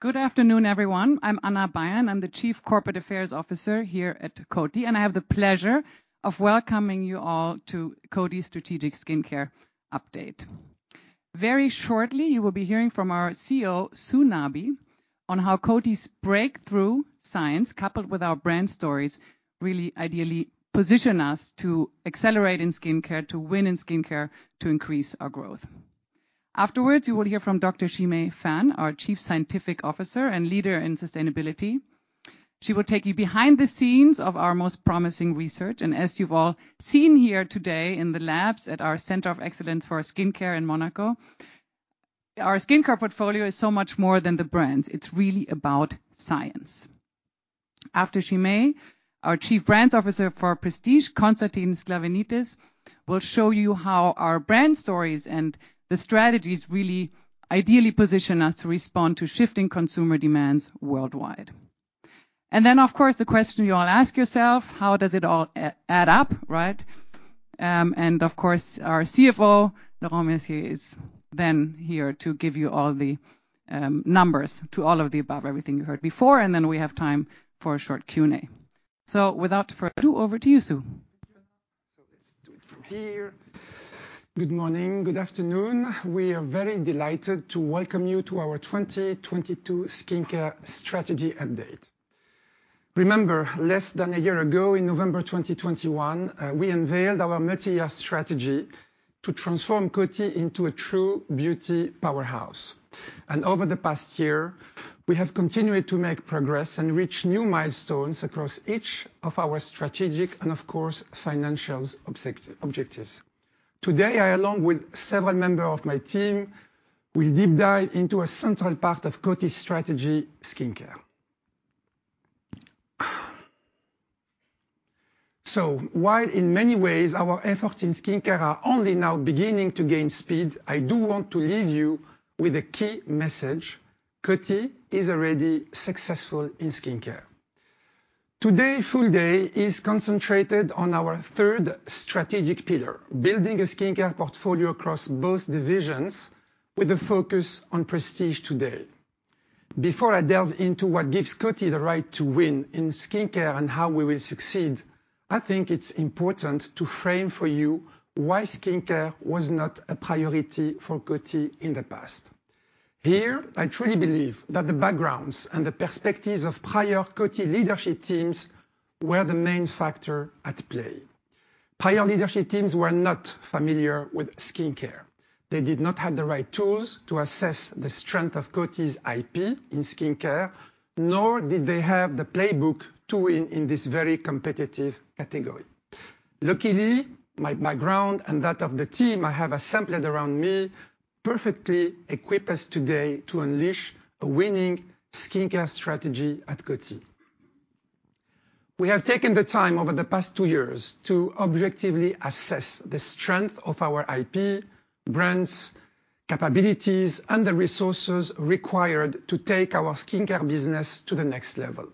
Good afternoon, everyone. I'm Anna von Bayern. I'm the Chief Corporate Affairs Officer here at Coty, and I have the pleasure of welcoming you all to Coty Strategic Skincare Update. Very shortly, you will be hearing from our CEO, Sue Nabi, on how Coty's breakthrough science, coupled with our brand stories, really ideally position us to accelerate in skincare, to win in skincare, to increase our growth. Afterwards, you will hear from Dr. Shimei Fan, our Chief Scientific Officer and leader in sustainability. She will take you behind the scenes of our most promising research. As you've all seen here today in the labs at our Center of Excellence for Skincare in Monaco, our skincare portfolio is so much more than the brands. It's really about science. After Shimei Fan, our Chief Brands Officer for Prestige, Constantin Sklavenitis, will show you how our brand stories and the strategies really ideally position us to respond to shifting consumer demands worldwide. Then, of course, the question you all ask yourself, how does it all add up, right? Of course, our CFO, Laurent Mercier, is then here to give you all the numbers to all of the above, everything you heard before. Then we have time for a short Q&A. Without further ado, over to you, Sue Nabi. Let's do it from here. Good morning. Good afternoon. We are very delighted to welcome you to our 2022 Skincare Strategy Update. Remember, less than a year ago, in November 2021, we unveiled our multi-year strategy to transform Coty into a true beauty powerhouse. Over the past year, we have continued to make progress and reach new milestones across each of our strategic and, of course, objectives. Today, I, along with several member of my team, will deep dive into a central part of Coty's strategy, skincare. While in many ways our efforts in skincare are only now beginning to gain speed, I do want to leave you with a key message. Coty is already successful in skincare. Today, full day is concentrated on our 1/3 strategic pillar, building a skincare portfolio across both divisions with a focus on prestige today. Before I delve into what gives Coty the right to win in skincare and how we will succeed, I think it's important to frame for you why skincare was not a priority for Coty in the past. Here, I truly believe that the backgrounds and the perspectives of prior Coty leadership teams were the main factor at play. Prior leadership teams were not familiar with skincare. They did not have the right tools to assess the strength of Coty's IP in skincare, nor did they have the playbook to win in this very competitive category. Luckily, my background and that of the team I have assembled around me perfectly equip us today to unleash a winning skincare strategy at Coty. We have taken the time over the past 2 years to objectively assess the strength of our IP, brands, capabilities, and the resources required to take our skincare business to the next level.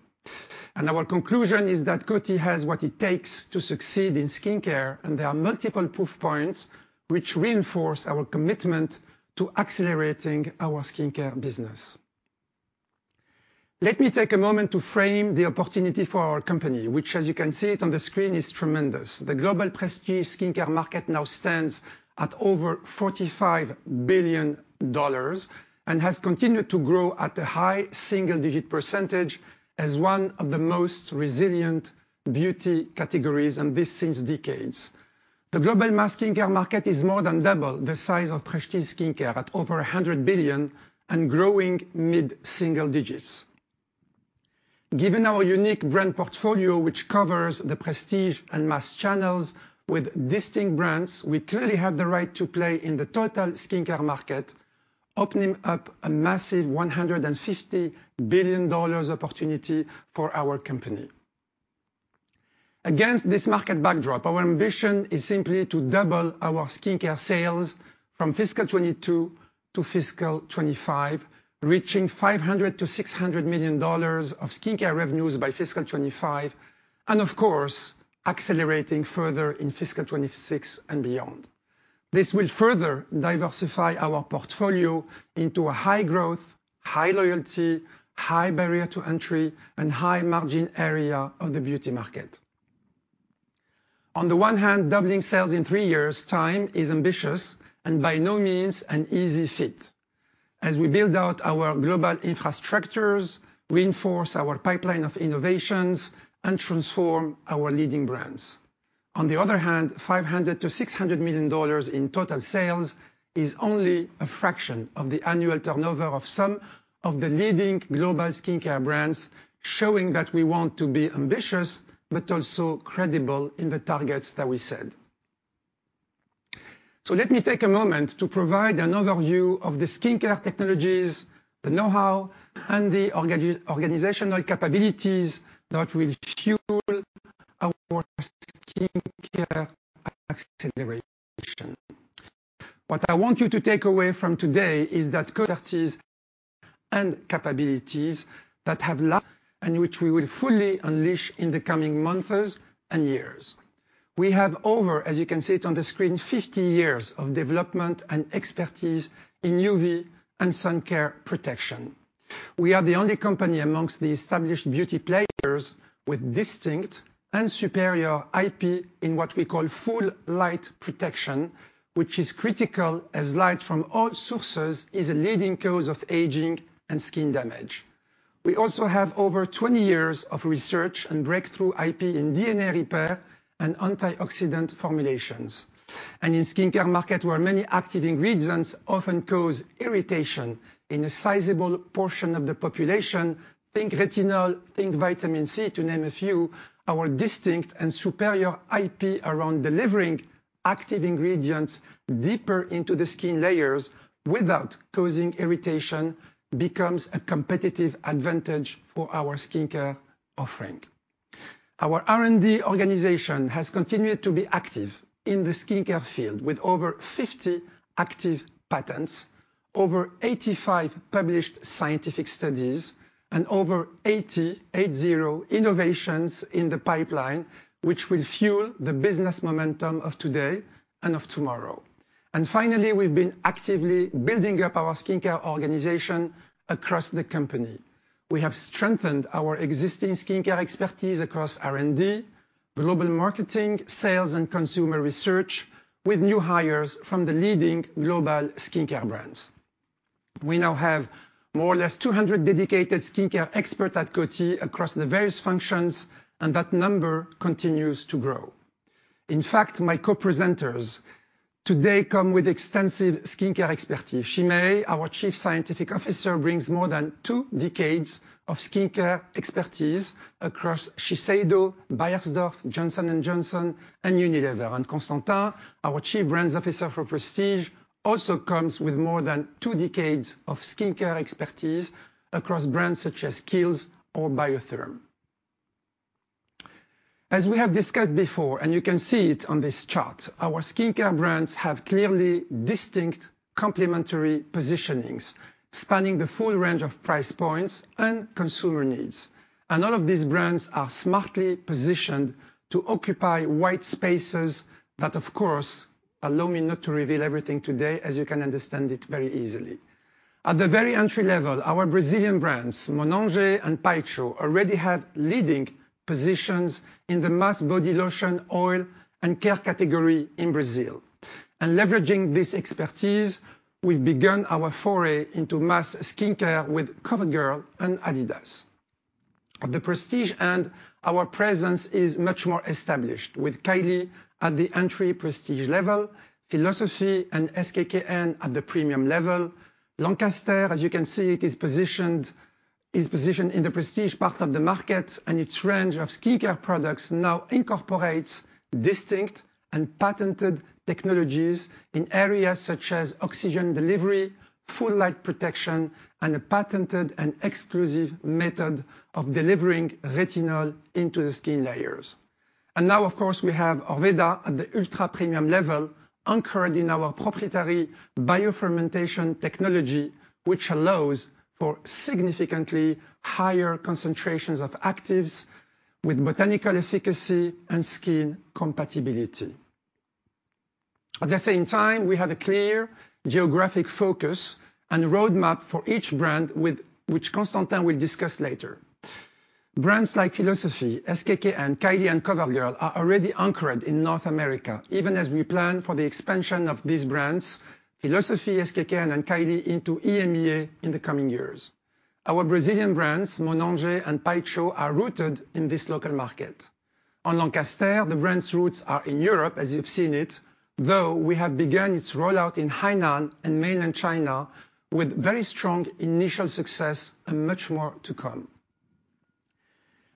Our conclusion is that Coty has what it takes to succeed in skincare, and there are multiple proof points which reinforce our commitment to accelerating our skincare business. Let me take a moment to frame the opportunity for our company, which, as you can see it on the screen, is tremendous. The global prestige skincare market now stands at over $45 billion and has continued to grow at a high single-digit % as one of the most resilient beauty categories, and this since decades. The global mass skincare market is more than double the size of prestige skincare at over $100 billion and growing Mid-single digits %. Given our unique brand portfolio, which covers the prestige and mass channels with distinct brands, we clearly have the right to play in the total skincare market, opening up a massive $150 billion opportunity for our company. Against this market backdrop, our ambition is simply to double our skincare sales from fiscal 2022 to fiscal 2025, reaching $500 million-$600 million of skincare revenues by fiscal 2025 and of course, accelerating further in fiscal 2026 and beyond. This will further diversify our portfolio into a high growth, high loyalty, high barrier to entry, and high margin area of the beauty market. On the one hand, doubling sales in 3 years' time is ambitious and by no means an easy fit, as we build out our global infrastructures, reinforce our pipeline of innovations, and transform our leading brands. On the other hand, $500-$600 million in total sales is only a fraction of the annual turnover of some of the leading global skincare brands, showing that we want to be ambitious but also credible in the targets that we set. Let me take a moment to provide an overview of the skincare technologies, the know-how, and the organizational capabilities that will fuel our skincare acceleration. What I want you to take away from today is that Coty's and capabilities that have and which we will fully unleash in the coming months and years. We have over, as you can see it on the screen, 50 years of development and expertise in UV and sun care protection. We are the only company amongst the established beauty players with distinct and superior IP in what we call full light protection, which is critical as light from all sources is a leading cause of aging and skin damage. We also have over 20 years of research and breakthrough IP in DNA repair and antioxidant formulations. In skincare market, where many active ingredients often cause irritation in a sizable portion of the population, think retinol, think vitamin C, to name a few, our distinct and superior IP around delivering active ingredients deeper into the skin layers without causing irritation becomes a competitive advantage for our skincare offering. Our R&D organization has continued to be active in the skincare field with over 50 active patents, over 85 published scientific studies, and over 880 innovations in the pipeline, which will fuel the business momentum of today and of tomorrow. Finally, we've been actively building up our skincare organization across the company. We have strengthened our existing skincare expertise across R&D, global marketing, sales, and consumer research with new hires from the leading global skincare brands. We now have more or less 200 dedicated skincare expert at Coty across the various functions, and that number continues to grow. In fact, my Co-Ppresenters today come with extensive skincare expertise. Shimei, our Chief Scientific Officer, brings more than 2 decades of skincare expertise across Shiseido, Beiersdorf, Johnson & Johnson, and Unilever. Constantin, our Chief Prestige Brands Officer, also comes with more than 2 decades of skincare expertise across brands such as Kiehl's or Biotherm. As we have discussed before, and you can see it on this chart, our skincare brands have clearly distinct complementary positionings, spanning the full range of price points and consumer needs. All of these brands are smartly positioned to occupy white spaces that, of course, allow me not to reveal everything today, as you can understand it very easily. At the very entry level, our Brazilian brands, Monange and Payot, already have leading positions in the mass body lotion, oil, and care category in Brazil. Leveraging this expertise, we've begun our foray into mass skincare with COVERGIRL and adidas. At the prestige end, our presence is much more established with Kylie at the entry prestige level, philosophy and SK-II at the premium level. Lancaster, as you can see, is positioned in the prestige part of the market, and its range of skincare products now incorporates distinct and patented technologies in areas such as oxygen delivery, full light protection, and a patented and exclusive method of delivering retinol into the skin layers. Now, of course, we have Orveda at the Ultra-Premium level, anchored in our proprietary biofermentation technology, which allows for significantly higher concentrations of actives with botanical efficacy and skin compatibility. At the same time, we have a clear geographic focus and roadmap for each brand with which Constantin will discuss later. Brands like philosophy, SK-II, and Kylie and COVERGIRL are already anchored in North America, even as we plan for the expansion of these brands, philosophy, SK-II, and Kylie into EMEA in the coming years. Our Brazilian brands, Monange and Payot, are rooted in this local market. On Lancaster, the brand's roots are in Europe, as you've seen it, though we have begun its rollout in Hainan and mainland China with very strong initial success and much more to come.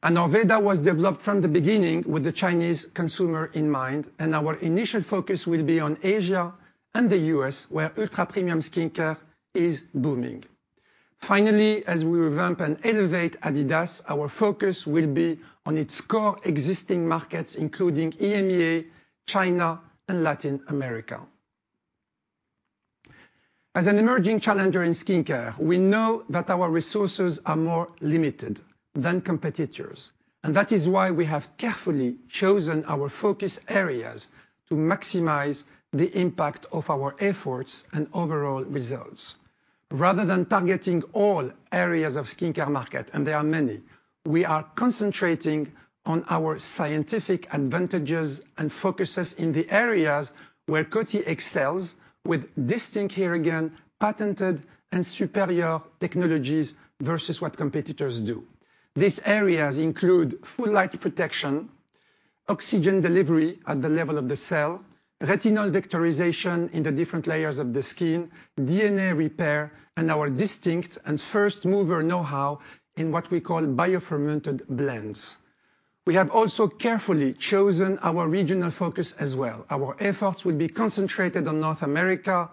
Orveda was developed from the beginning with the Chinese consumer in mind, and our initial focus will be on Asia and the US, where Ultra-Premium skincare is booming. Finally, as we revamp and elevate adidas, our focus will be on its core existing markets, including EMEA, China, and Latin America. As an emerging challenger in skincare, we know that our resources are more limited than competitors, and that is why we have carefully chosen our focus areas to maximize the impact of our efforts and overall results. Rather than targeting all areas of skincare market, and there are many, we are concentrating on our scientific advantages and focuses in the areas where Coty excels with distinct, here again, patented and superior technologies versus what competitors do. These areas include Full Light Protection, oxygen delivery at the level of the cell, retinol vectorization in the different layers of the skin, DNA repair, and our distinct and first-mover know-how in what we call bio-fermented blends. We have also carefully chosen our regional focus as well. Our efforts will be concentrated on North America,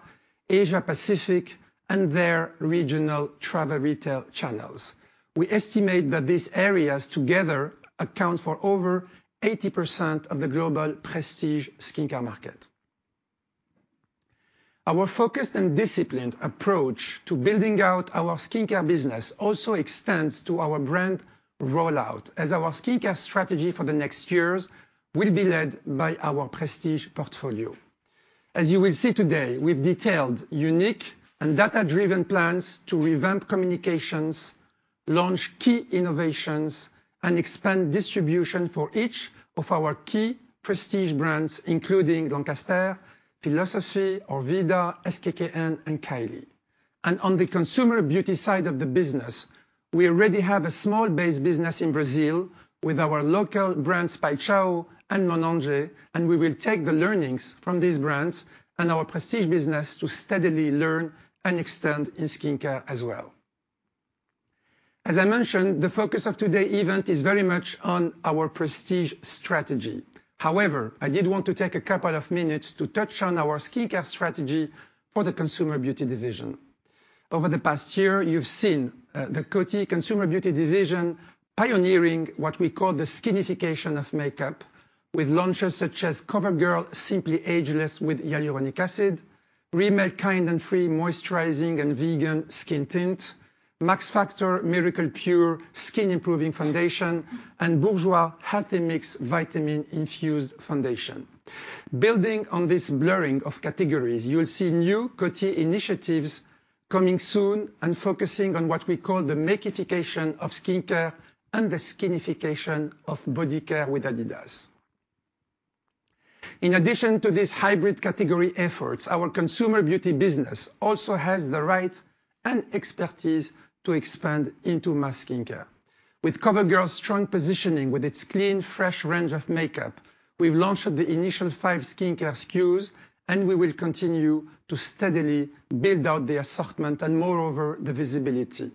Asia Pacific, and their regional travel retail channels. We estimate that these areas together account for over 80% of the global prestige skincare market. Our focus and disciplined approach to building out our skincare business also extends to our brand rollout, as our skincare strategy for the next years will be led by our prestige portfolio. As you will see today, we've detailed unique and data-driven plans to revamp communications, launch key innovations, and expand distribution for each of our key prestige brands, including Lancaster, philosophy, Orveda, SK-II, and Kylie. On the consumer beauty side of the business, we already have a small base business in Brazil with our local brands, Paixão and Monange, and we will take the learnings from these brands and our prestige business to steadily learn and extend in skincare as well. As I mentioned, the focus of today's event is very much on our prestige strategy. However, I did want to take a couple of minutes to touch on our skincare strategy for the consumer beauty division. Over the past year, you've seen the Coty Consumer Beauty Division pioneering what we call the skinification of makeup with launches such as COVERGIRL Simply Ageless with hyaluronic acid, Rimmel Kind & Free moisturizing and vegan skin tint, Max Factor Miracle Pure skin improving foundation, and Bourjois Healthy Mix vitamin-infused foundation. Building on this blurring of categories, you will see new Coty initiatives coming soon and focusing on what we call the make-up-ification of skincare and the skinification of body care with adidas. In addition to these hybrid category efforts, our consumer beauty business also has the right and expertise to expand into mass skincare. With COVERGIRL's strong positioning with its clean, fresh range of makeup, we've launched the initial 5 skincare SKUs, and we will continue to steadily build out the assortment and moreover, the visibility.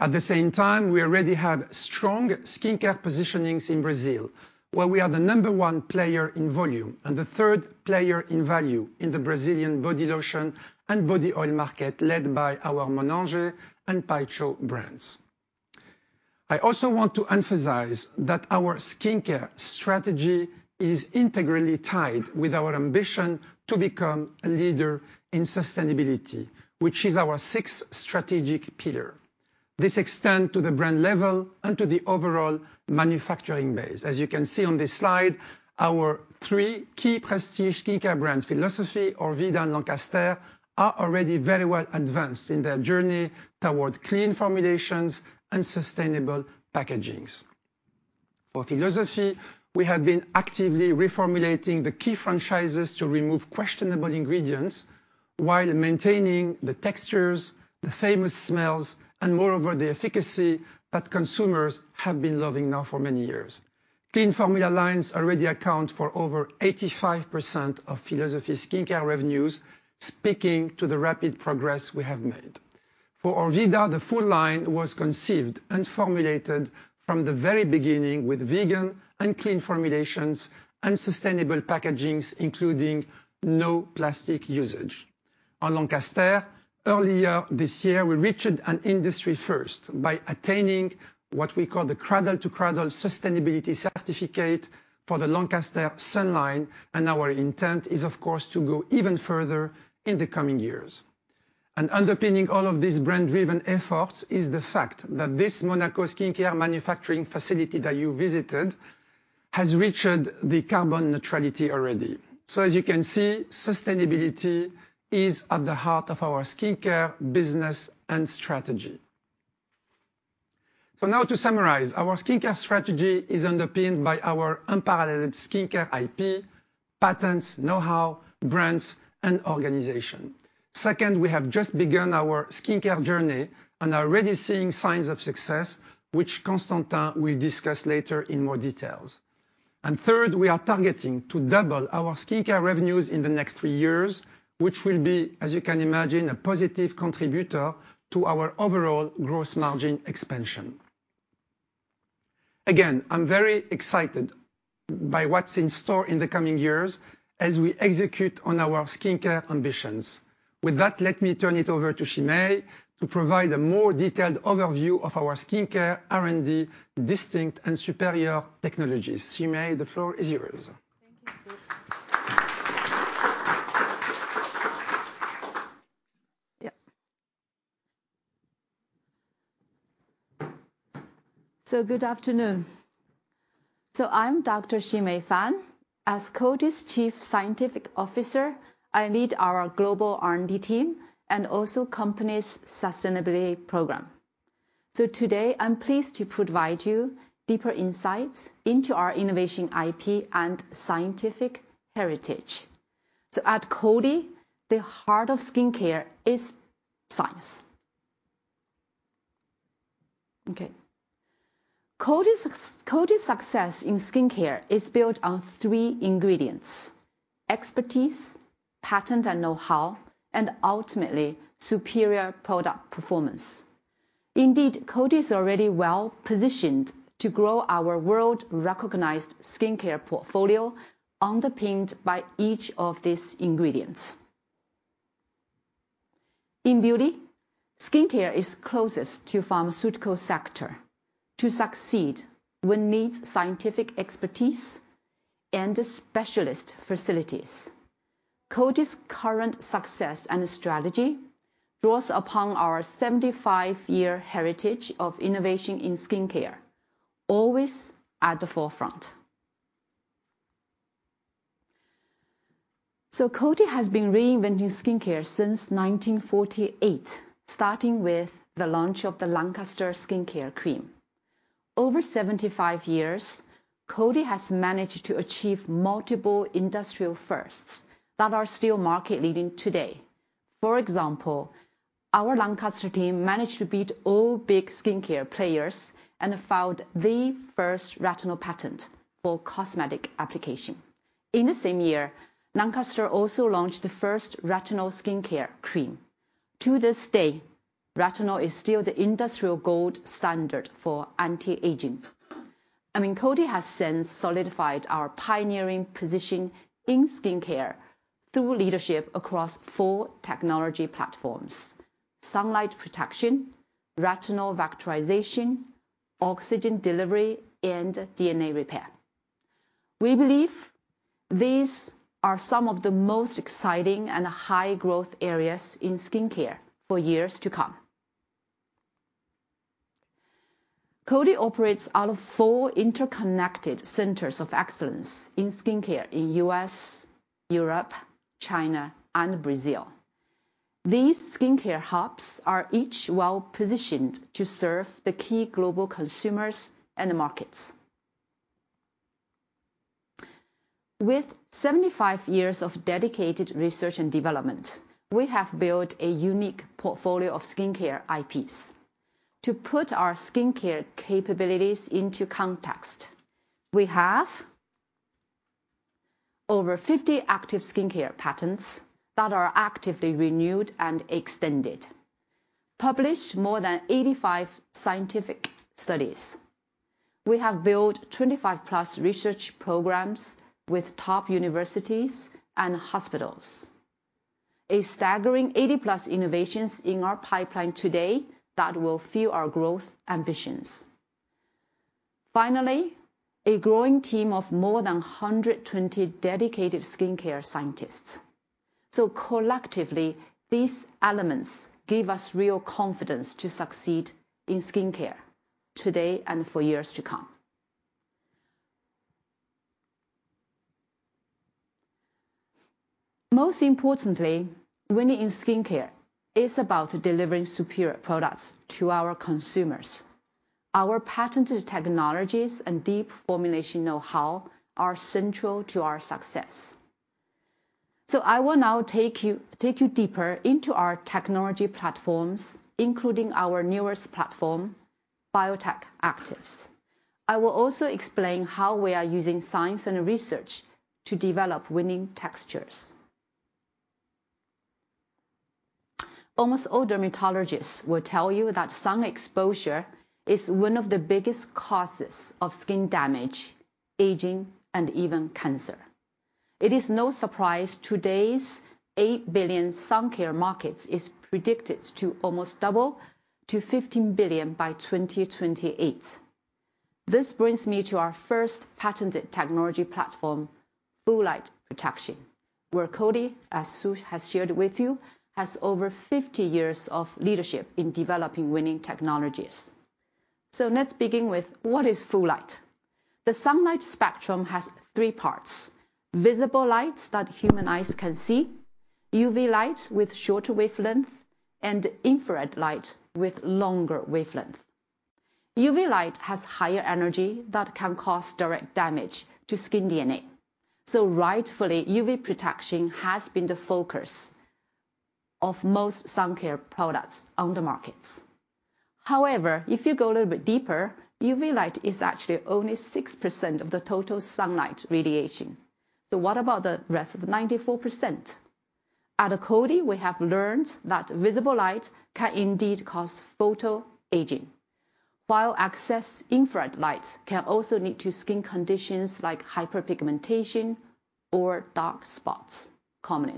At the same time, we already have strong skincare positionings in Brazil, where we are the number 1 player in volume and the 1/3 player in value in the Brazilian body lotion and body oil market, led by our Monange and Paixão brands. I also want to emphasize that our skincare strategy is integrally tied with our ambition to become a leader in sustainability, which is our 6th strategic pillar. This extends to the brand level and to the overall manufacturing base. As you can see on this slide, our 3 key prestige skincare brands, philosophy, Orveda, and Lancaster, are already very well advanced in their journey towards clean formulations and sustainable packagings. For philosophy, we have been actively reformulating the key franchises to remove questionable ingredients while maintaining the textures, the famous smells, and moreover, the efficacy that consumers have been loving now for many years. Clean formula lines already account for over 85% of philosophy's skincare revenues, speaking to the rapid progress we have made. For Orveda, the full line was conceived and formulated from the very beginning with vegan and clean formulations and sustainable packagings, including no plastic usage. On Lancaster, earlier this year, we reached an industry first by attaining what we call the Cradle to Cradle Certified for the Lancaster Sun Sensitive line, and our intent is, of course, to go even further in the coming years. Underpinning all of these brand-driven efforts is the fact that this Monaco skincare manufacturing facility that you visited has reached the carbon neutrality already. As you can see, sustainability is at the heart of our skincare business and strategy. Now to summarize, our skincare strategy is underpinned by our unparalleled skincare IP, patents, know-how, brands, and organization. Second, we have just begun our skincare journey and are already seeing signs of success, which Constantin will discuss later in more details. Third, we are targeting to double our skincare revenues in the next 3 years, which will be, as you can imagine, a positive contributor to our overall gross margin expansion. Again, I'm very excited by what's in store in the coming years as we execute on our skincare ambitions. With that, let me turn it over to Shimei to provide a more detailed overview of our skincare R&D distinct and superior technologies. Shimei, the floor is yours. Good afternoon. I'm Dr. Shimei Fan. As Coty's chief scientific officer, I lead our global R&D team and also company's sustainability program. Today, I'm pleased to provide you deeper insights into our innovation IP and scientific heritage. At Coty, the heart of skincare is science. Okay. Coty's success in skincare is built on 3 ingredients: expertise, patent and know-how, and ultimately, superior product performance. Indeed, Coty is already well positioned to grow our world-recognized skincare portfolio underpinned by each of these ingredients. In beauty, skincare is closest to pharmaceutical sector. To succeed, we need scientific expertise and specialist facilities. Coty's current success and strategy draws upon our 75-year heritage of innovation in skincare, always at the forefront. Coty has been reinventing skincare since 1948, starting with the launch of the Lancaster Skincare Cream. Over 75 years, Coty has managed to achieve multiple industrial firsts that are still market leading today. For example, our Lancaster team managed to beat all big skincare players and filed the first retinol patent for cosmetic application. In the same year, Lancaster also launched the first retinol skincare cream. To this day, retinol is still the industrial gold standard for anti-aging. I mean, Coty has since solidified our pioneering position in skincare through leadership across four technology platforms, sunlight protection, retinol vectorization, oxygen delivery, and DNA repair. We believe these are some of the most exciting and high growth areas in skincare for years to come. Coty operates out of four interconnected centers of excellence in skincare in U.S., Europe, China, and Brazil. These skincare hubs are each well-positioned to serve the key global consumers and markets. With 75 years of dedicated research and development, we have built a unique portfolio of skincare IPs. To put our skincare capabilities into context, we have over 50 active skincare patents that are actively renewed and extended, published more than 85 scientific studies. We have built 25+ research programs with top universities and hospitals. A staggering 80+ innovations in our pipeline today that will fuel our growth ambitions. Finally, a growing team of more than 120 dedicated skincare scientists. Collectively, these elements give us real confidence to succeed in skincare today and for years to come. Most importantly, winning in skincare is about delivering superior products to our consumers. Our patented technologies and deep formulation know-how are central to our success. I will now take you deeper into our technology platforms, including our newest platform, biotech actives. I will also explain how we are using science and research to develop winning textures. Almost all dermatologists will tell you that sun exposure is one of the biggest causes of skin damage, aging, and even cancer. It is no surprise today's $8 billion sun care market is predicted to almost double to $15 billion by 2028. This brings me to our first patented technology platform, Full Light Protection, where Coty, as Sue has shared with you, has over 50 years of leadership in developing winning technologies. Let's begin with, what is Full Light? The sunlight spectrum has 3 parts, visible lights that human eyes can see, UV light with shorter wavelength, and infrared light with longer wavelength. UV light has higher energy that can cause direct damage to skin DNA. Rightfully, UV protection has been the focus of most sun care products on the markets. However, if you go a little bit deeper, UV light is actually only 6% of the total sunlight radiation. What about the rest of the 94%? At Coty, we have learned that visible light can indeed cause photoaging, while excess infrared light can also lead to skin conditions like hyperpigmentation or dark spots, commonly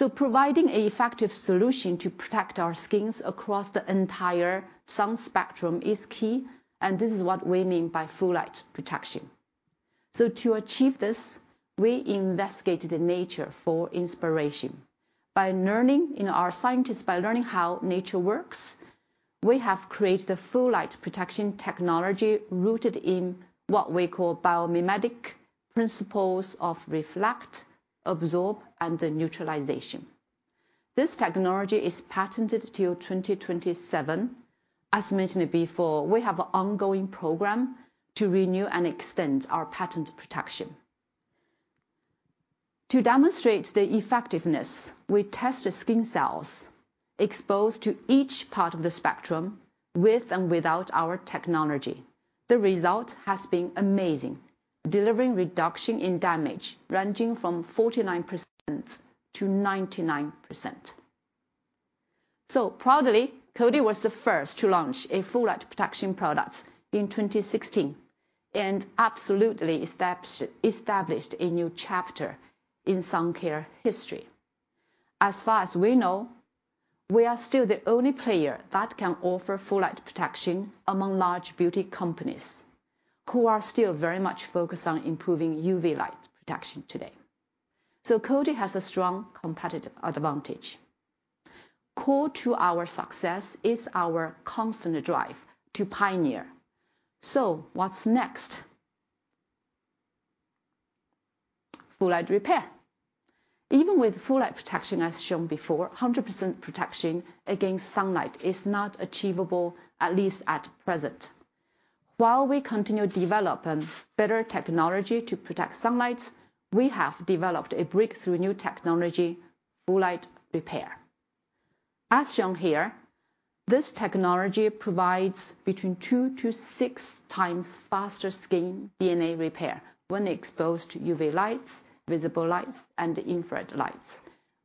known. Providing effective solution to protect our skins across the entire sun spectrum is key, and this is what we mean by Full Light Protection. To achieve this, we investigated nature for inspiration. You know, our scientists, by learning how nature works, we have created a Full Light Technology rooted in what we call biomimetic principles of reflect, absorb, and neutralization. This technology is patented until 2027. As mentioned before, we have an ongoing program to renew and extend our patent protection. To demonstrate the effectiveness, we tested skin cells exposed to each part of the spectrum with and without our technology. The result has been amazing, delivering reduction in damage ranging from 49%-99%. Proudly, Coty was the first to launch a Full Light Protection products in 2016, and absolutely established a new chapter in sun care history. As far as we know, we are still the only player that can offer Full Light Protection among large beauty companies who are still very much focused on improving UV light protection today. Coty has a strong competitive advantage. Core to our success is our constant drive to pioneer. What's next? Full Light Repair. Even with Full Light Protection as shown before, 100% protection against sunlight is not achievable, at least at present. While we continue developing better technology to protect sunlights, we have developed a breakthrough new technology, full light repair. As shown here, this technology provides between 2-6 times faster skin DNA repair when exposed to UV lights, visible lights, and infrared lights.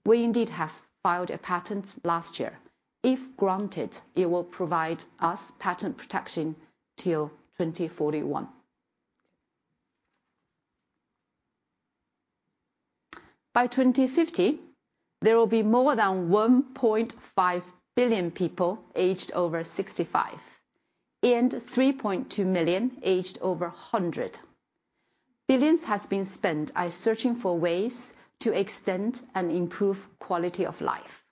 We indeed have filed a patent last year. If granted, it will provide us patent protection till 2041. By 2050, there will be more than 1.5 billion people aged over 65 and 3.2 million aged over 100. Billions have been spent on searching for ways to extend and improve quality of life,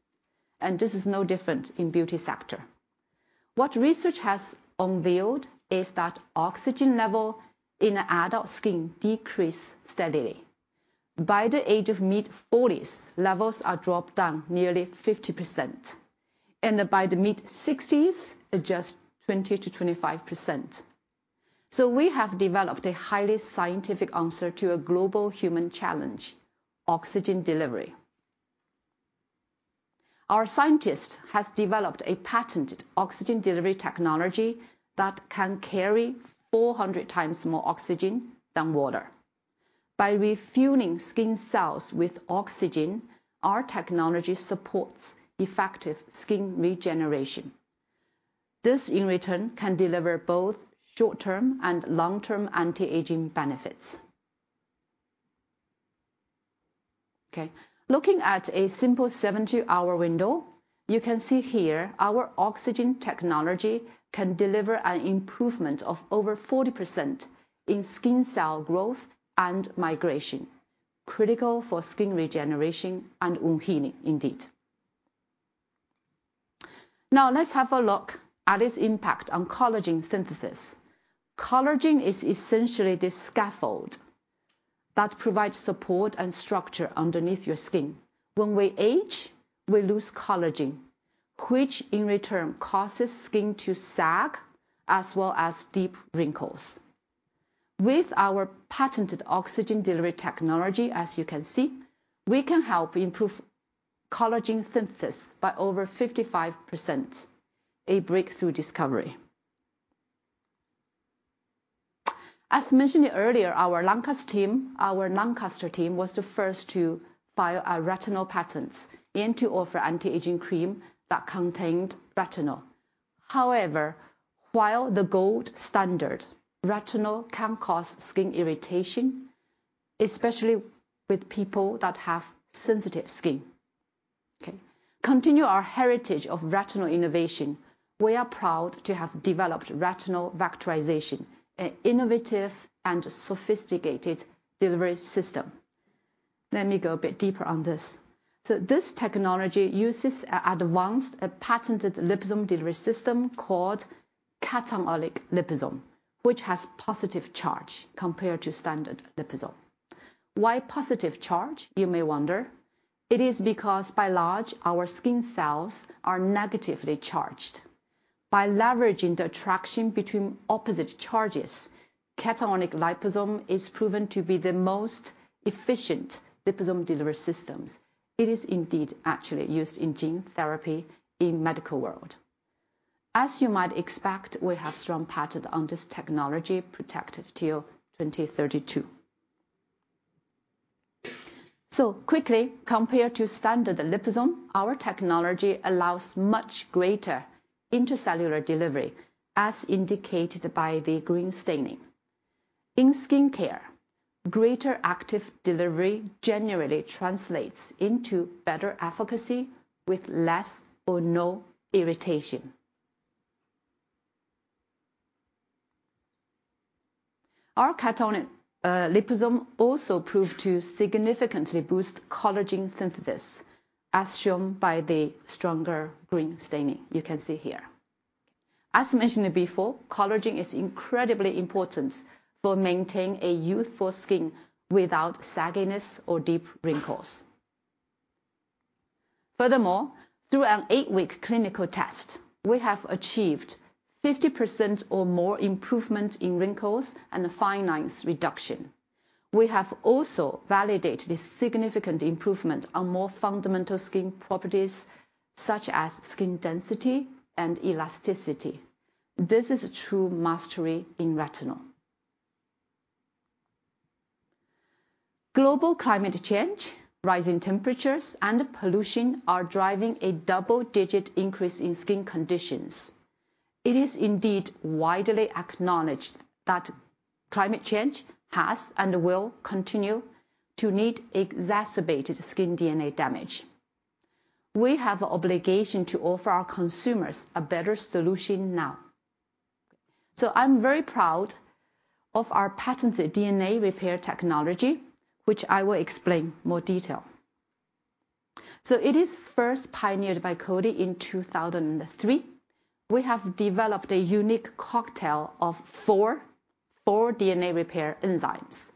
and this is no different in beauty sector. What research has unveiled is that oxygen level in adult skin decrease steadily. By the age of Mid-40s, levels are dropped down nearly 50%. By the Mid-60s, just 20%-25%. We have developed a highly scientific answer to a global human challenge, oxygen delivery. Our scientist has developed a patented oxygen delivery technology that can carry 400 times more oxygen than water. By refueling skin cells with oxygen, our technology supports effective skin regeneration. This, in return, can deliver both short-term and long-term anti-aging benefits. Okay. Looking at a simple 70-hour window, you can see here our oxygen technology can deliver an improvement of over 40% in skin cell growth and migration, critical for skin regeneration and wound healing indeed. Now, let's have a look at its impact on collagen synthesis. Collagen is essentially the scaffold that provides support and structure underneath your skin. When we age, we lose collagen, which in return causes skin to sag as well as deep wrinkles. With our patented oxygen delivery technology, as you can see, we can help improve collagen synthesis by over 55%, a breakthrough discovery. As mentioned earlier, our Lancaster team was the first to file a retinol patent and to offer anti-aging cream that contained retinol. However, while the gold standard retinol can cause skin irritation, especially with people that have sensitive skin. Okay. Continuing our heritage of retinol innovation, we are proud to have developed retinol vectorization, an innovative and sophisticated delivery system. Let me go a bit deeper on this. So this technology uses an advanced patented liposome delivery system called cationic liposome, which has positive charge compared to standard liposome. Why positive charge, you may wonder? It is because by and large, our skin cells are negatively charged. By leveraging the attraction between opposite charges, cationic liposome is proven to be the most efficient liposome delivery systems. It is indeed actually used in gene therapy in medical world. As you might expect, we have strong patent on this technology protected till 2032. Quickly, compared to standard liposome, our technology allows much greater intracellular delivery, as indicated by the green staining. In skincare, greater active delivery generally translates into better efficacy with less or no irritation. Our cationic liposome also proved to significantly boost collagen synthesis, as shown by the stronger green staining you can see here. As mentioned before, collagen is incredibly important for maintain a youthful skin without sagginess or deep wrinkles. Furthermore, through an eight-week clinical test, we have achieved 50% or more improvement in wrinkles and fine lines reduction. We have also validated a significant improvement on more fundamental skin properties such as skin density and elasticity. This is true mastery in retinol. Global climate change, rising temperatures, and pollution are driving a double-digit increase in skin conditions. It is indeed widely acknowledged that climate change has and will continue to indeed exacerbate skin DNA damage. We have an obligation to offer our consumers a better solution now. I'm very proud of our patented DNA repair technology, which I will explain in more detail. It is first pioneered by Coty in 2003. We have developed a unique cocktail of four DNA repair enzymes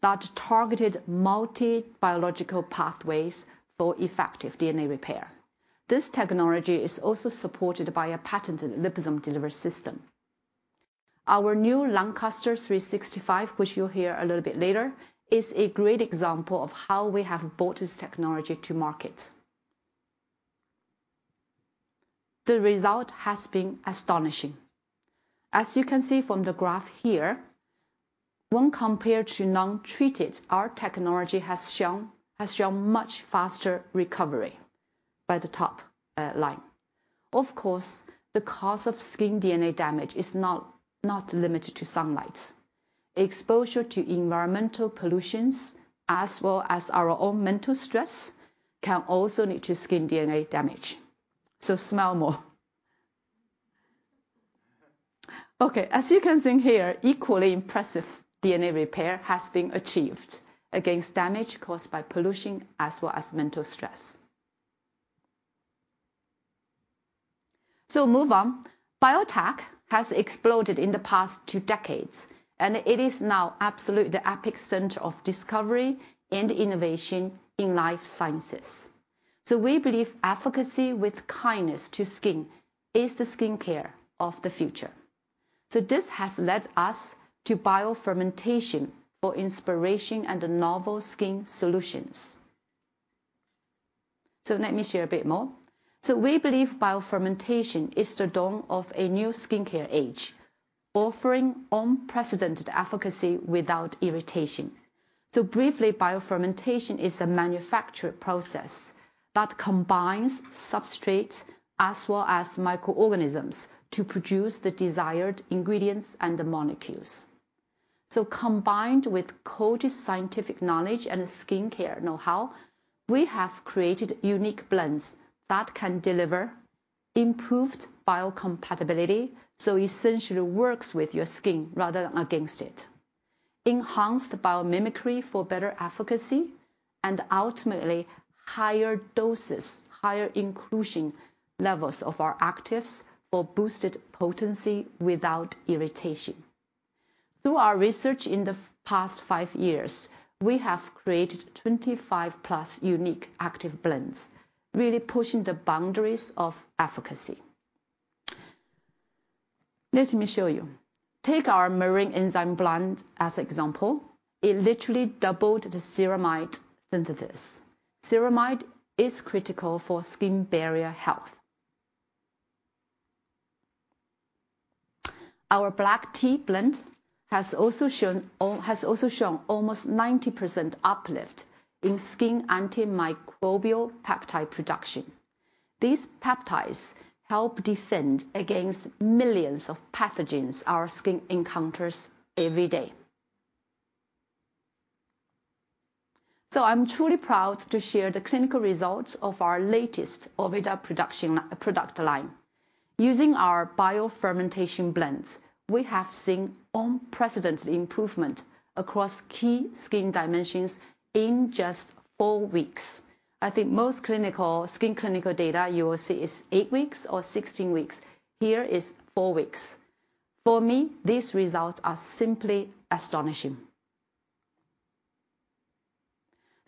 that targeted multi-biological pathways for effective DNA repair. This technology is also supported by a patented liposome delivery system. Our new Lancaster 365, which you'll hear a little bit later, is a great example of how we have brought this technology to market. The result has been astonishing. As you can see from the graph here, when compared to Non-treated, our technology has shown much faster recovery by the top line. Of course, the cause of skin DNA damage is not limited to sunlight. Exposure to environmental pollutions as well as our own mental stress can also lead to skin DNA damage. Smile more. Okay, as you can see here, equally impressive DNA repair has been achieved against damage caused by pollution as well as mental stress. Move on. Biotech has exploded in the past 2 decades, and it is now absolutely the epicenter of discovery and innovation in life sciences. We believe efficacy with kindness to skin is the skincare of the future. This has led us to biofermentation for inspiration and novel skin solutions. Let me share a bit more. We believe biofermentation is the dawn of a new skincare age, offering unprecedented efficacy without irritation. Briefly, biofermentation is a manufacturing process that combines substrates as well as microorganisms to produce the desired ingredients and the molecules. Combined with Coty's scientific knowledge and skincare know-how, we have created unique blends that can deliver improved biocompatibility, so essentially works with your skin rather than against it, enhanced biomimicry for better efficacy, and ultimately, higher doses, higher inclusion levels of our actives for boosted potency without irritation. Through our research in the past 5 years, we have created 25+ unique active blends, really pushing the boundaries of efficacy. Let me show you. Take our marine enzyme blend as example. It literally doubled the ceramide synthesis. Ceramide is critical for skin barrier health. Our black tea blend has also shown almost 90% uplift in skin antimicrobial peptide production. These peptides help defend against millions of pathogens our skin encounters every day. I'm truly proud to share the clinical results of our latest Orveda product line. Using our biofermentation blends, we have seen unprecedented improvement across key skin dimensions in just four weeks. I think most clinical skin data you will see is eight weeks or 16 weeks. Here is four weeks. For me, these results are simply astonishing.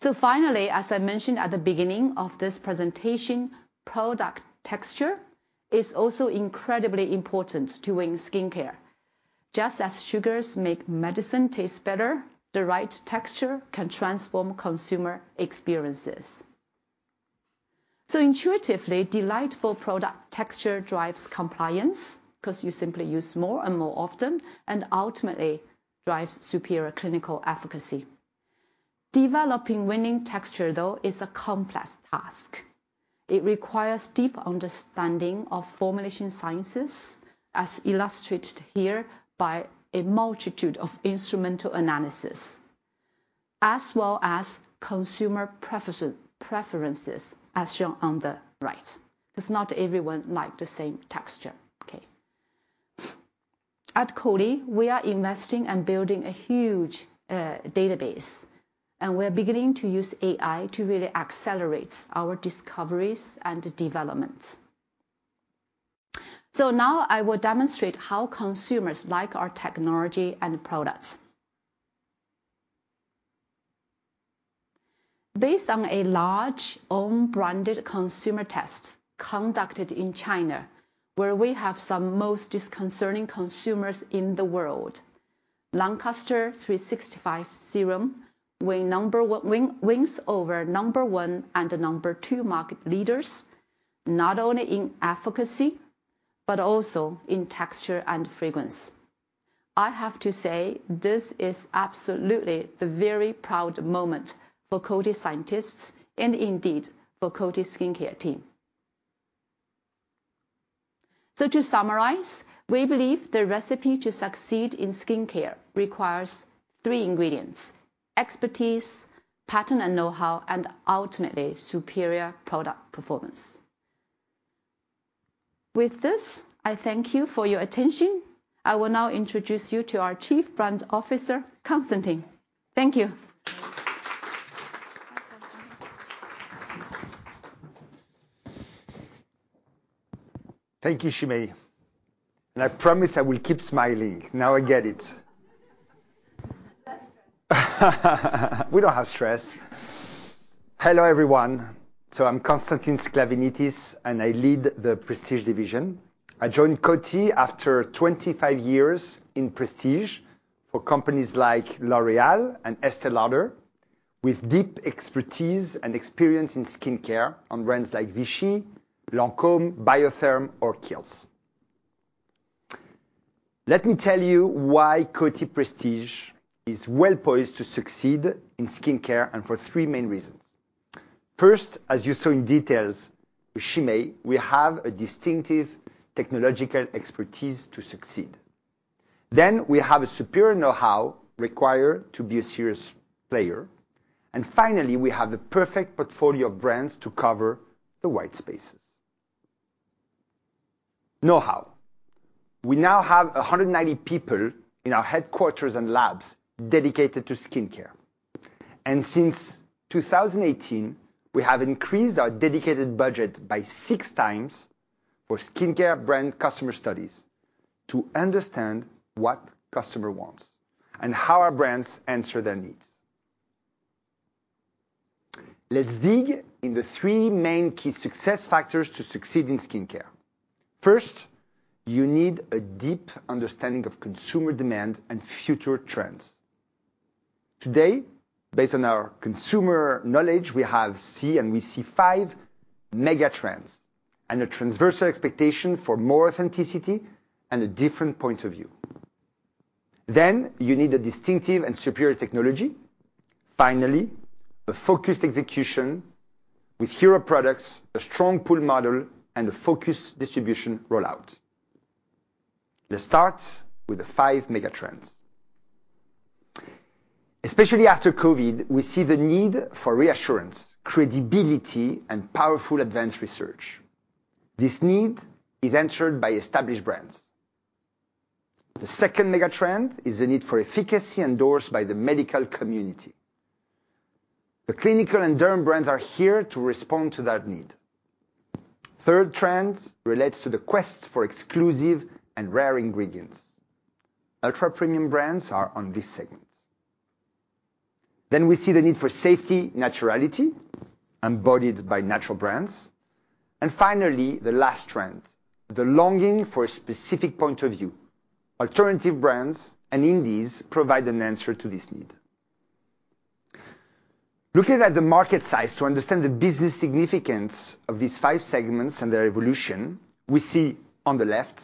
Finally, as I mentioned at the beginning of this presentation, product texture is also incredibly important to win skincare. Just as sugars make medicine taste better, the right texture can transform consumer experiences. Intuitively, delightful product texture drives compliance, 'cause you simply use more and more often, and ultimately drives superior clinical efficacy. Developing winning texture, though, is a complex task. It requires deep understanding of formulation sciences, as illustrated here by a multitude of instrumental analysis, as well as consumer preferences as shown on the right, 'cause not everyone like the same texture, okay? At Coty, we are investing and building a huge database, and we're beginning to use AI to really accelerate our discoveries and developments. Now I will demonstrate how consumers like our technology and products. Based on a large own branded consumer test conducted in China, where we have some of the most discerning consumers in the world, Lancaster 365 serum wins over number one and number 2 market leaders, not only in efficacy but also in texture and fragrance. I have to say, this is absolutely the very proud moment for Coty scientists and indeed for Coty's skincare team. To summarize, we believe the recipe to succeed in skincare requires 3 ingredients, expertise, patent, and know-how, and ultimately, superior product performance. With this, I thank you for your attention. I will now introduce you to our Chief Brand Officer, Constantin. Thank you. Hi, Constantin. Thank you, Shimei. I promise I will keep smiling. Now I get it. Less stress. We don't have stress. Hello, everyone. I'm Constantin Sklavenitis, and I lead the prestige division. I joined Coty after 25 years in prestige for companies like L'Oréal and Estée Lauder, with deep expertise and experience in skincare on brands like Vichy, Lancôme, Biotherm, or Kiehl's. Let me tell you why Coty Prestige is well-poised to succeed in skincare, and for 3 main reasons. First, as you saw in details with Shimei, we have a distinctive technological expertise to succeed. We have a superior knowhow required to be a serious player. Finally, we have the perfect portfolio of brands to cover the white spaces. Knowhow. We now have 190 people in our headquarters and labs dedicated to skincare. Since 2018, we have increased our dedicated budget by 6 times for skincare brand customer studies to understand what customer wants and how our brands answer their needs. Let's dig into the 3 main key success factors to succeed in skincare. First, you need a deep understanding of consumer demand and future trends. Today, based on our consumer knowledge, we have seen and we see 5 mega trends and a transversal expectation for more authenticity and a different point of view. You need a distinctive and superior technology. A focused execution with hero products, a strong pull model, and a focused distribution rollout. Let's start with the 5 mega trends. Especially after COVID, we see the need for reassurance, credibility, and powerful advanced research. This need is answered by established brands. The second mega trend is the need for efficacy endorsed by the medical community. The clinical and derm brands are here to respond to that need.1/3 trend relates to the quest for exclusive and rare ingredients. Ultra premium brands are on this segment. We see the need for safety, naturality, embodied by natural brands. Finally, the last trend, the longing for a specific point of view. Alternative brands and indies provide an answer to this need. Looking at the market size to understand the business significance of these 5 segments and their evolution, we see on the left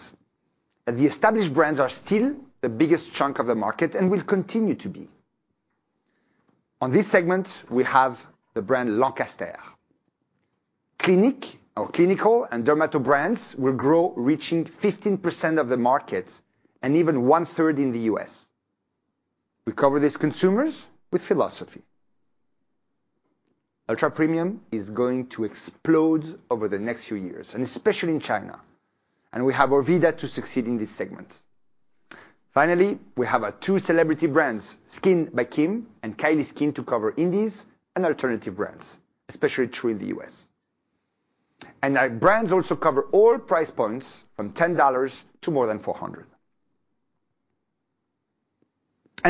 that the established brands are still the biggest chunk of the market and will continue to be. On this segment, we have the brand Lancaster. Clinique, our clinical and dermato brands will grow, reaching 15% of the market and even 1/3 in the U.S. We cover these consumers with philosophy. Ultra premium is going to explode over the next few years, and especially in China. We have Orveda to succeed in this segment. Finally, we have our 2 celebrity brands, SKKN by Kim and Kylie Skin, to cover indies and alternative brands, especially true in the U.S. Our brands also cover all price points from $10 to more than $400.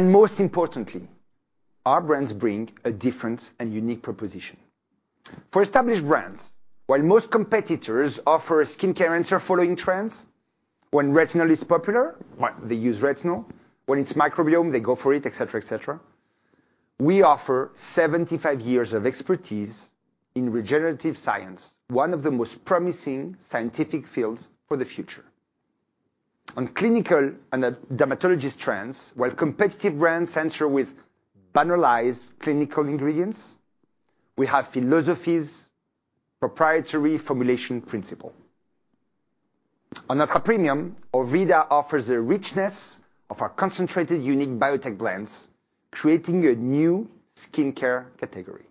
Most importantly, our brands bring a different and unique proposition. For established brands, while most competitors offer a skincare answer following trends, when retinol is popular, well, they use retinol. When it's microbiome, they go for it, et cetera, et cetera. We offer 75 years of expertise in regenerative science, one of the most promising scientific fields for the future. On clinical and, dermatology trends, while competitive brands center with banalized clinical ingredients, we have philosophy's proprietary formulation principle. On ultra premium, Orveda offers the richness of our concentrated unique biotech blends, creating a new skincare category.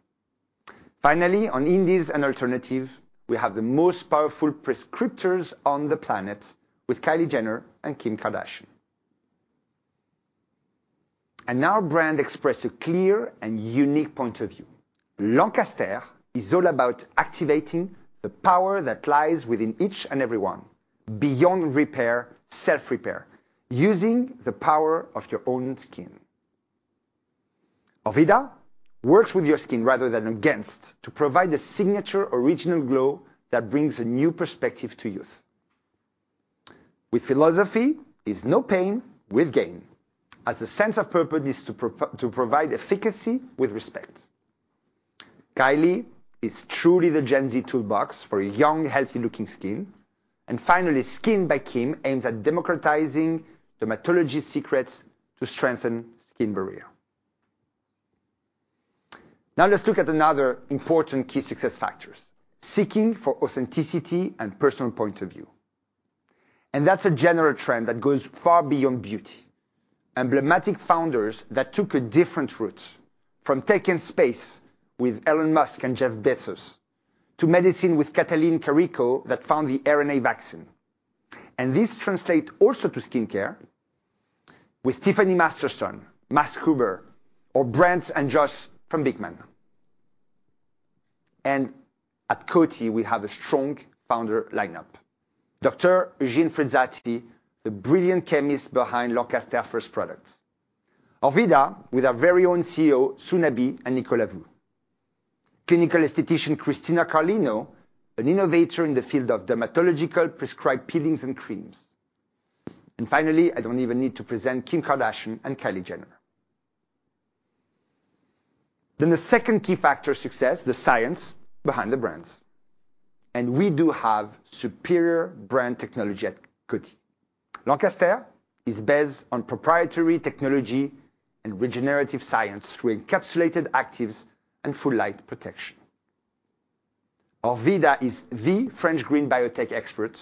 Finally, on indies and alternative, we have the most powerful prescriptors on the planet with Kylie Jenner and Kim Kardashian. Our brand express a clear and unique point of view. Lancaster is all about activating the power that lies within each and everyone, beyond repair, self-repair, using the power of your own skin. Orveda works with your skin rather than against to provide a signature original glow that brings a new perspective to youth. With Philosophy, it's no pain, with gain, as the sense of purpose is to provide efficacy with respect. Kylie is truly the Gen Z toolbox for a young, healthy looking skin. Finally, Skin by Kim aims at democratizing dermatology secrets to strengthen skin barrier. Now let's look at another important key success factors, seeking for authenticity and personal point of view. That's a general trend that goes far beyond beauty. Emblematic founders that took a different route from taking space with Elon Musk and Jeff Bezos to medicine with Katalin Karikó that found the RNA vaccine. This translate also to skincare with Tiffany Masterson, Max Huber, or Brent and Josh from Beekman. At Coty, we have a strong founder lineup, Dr. Eugène Frezzatti The second key factor success, the science behind the brands, and we do have superior brand technology at Coty. Lancaster is based on proprietary technology and regenerative science through encapsulated actives and Full Light Protection. Orveda is the French green biotech expert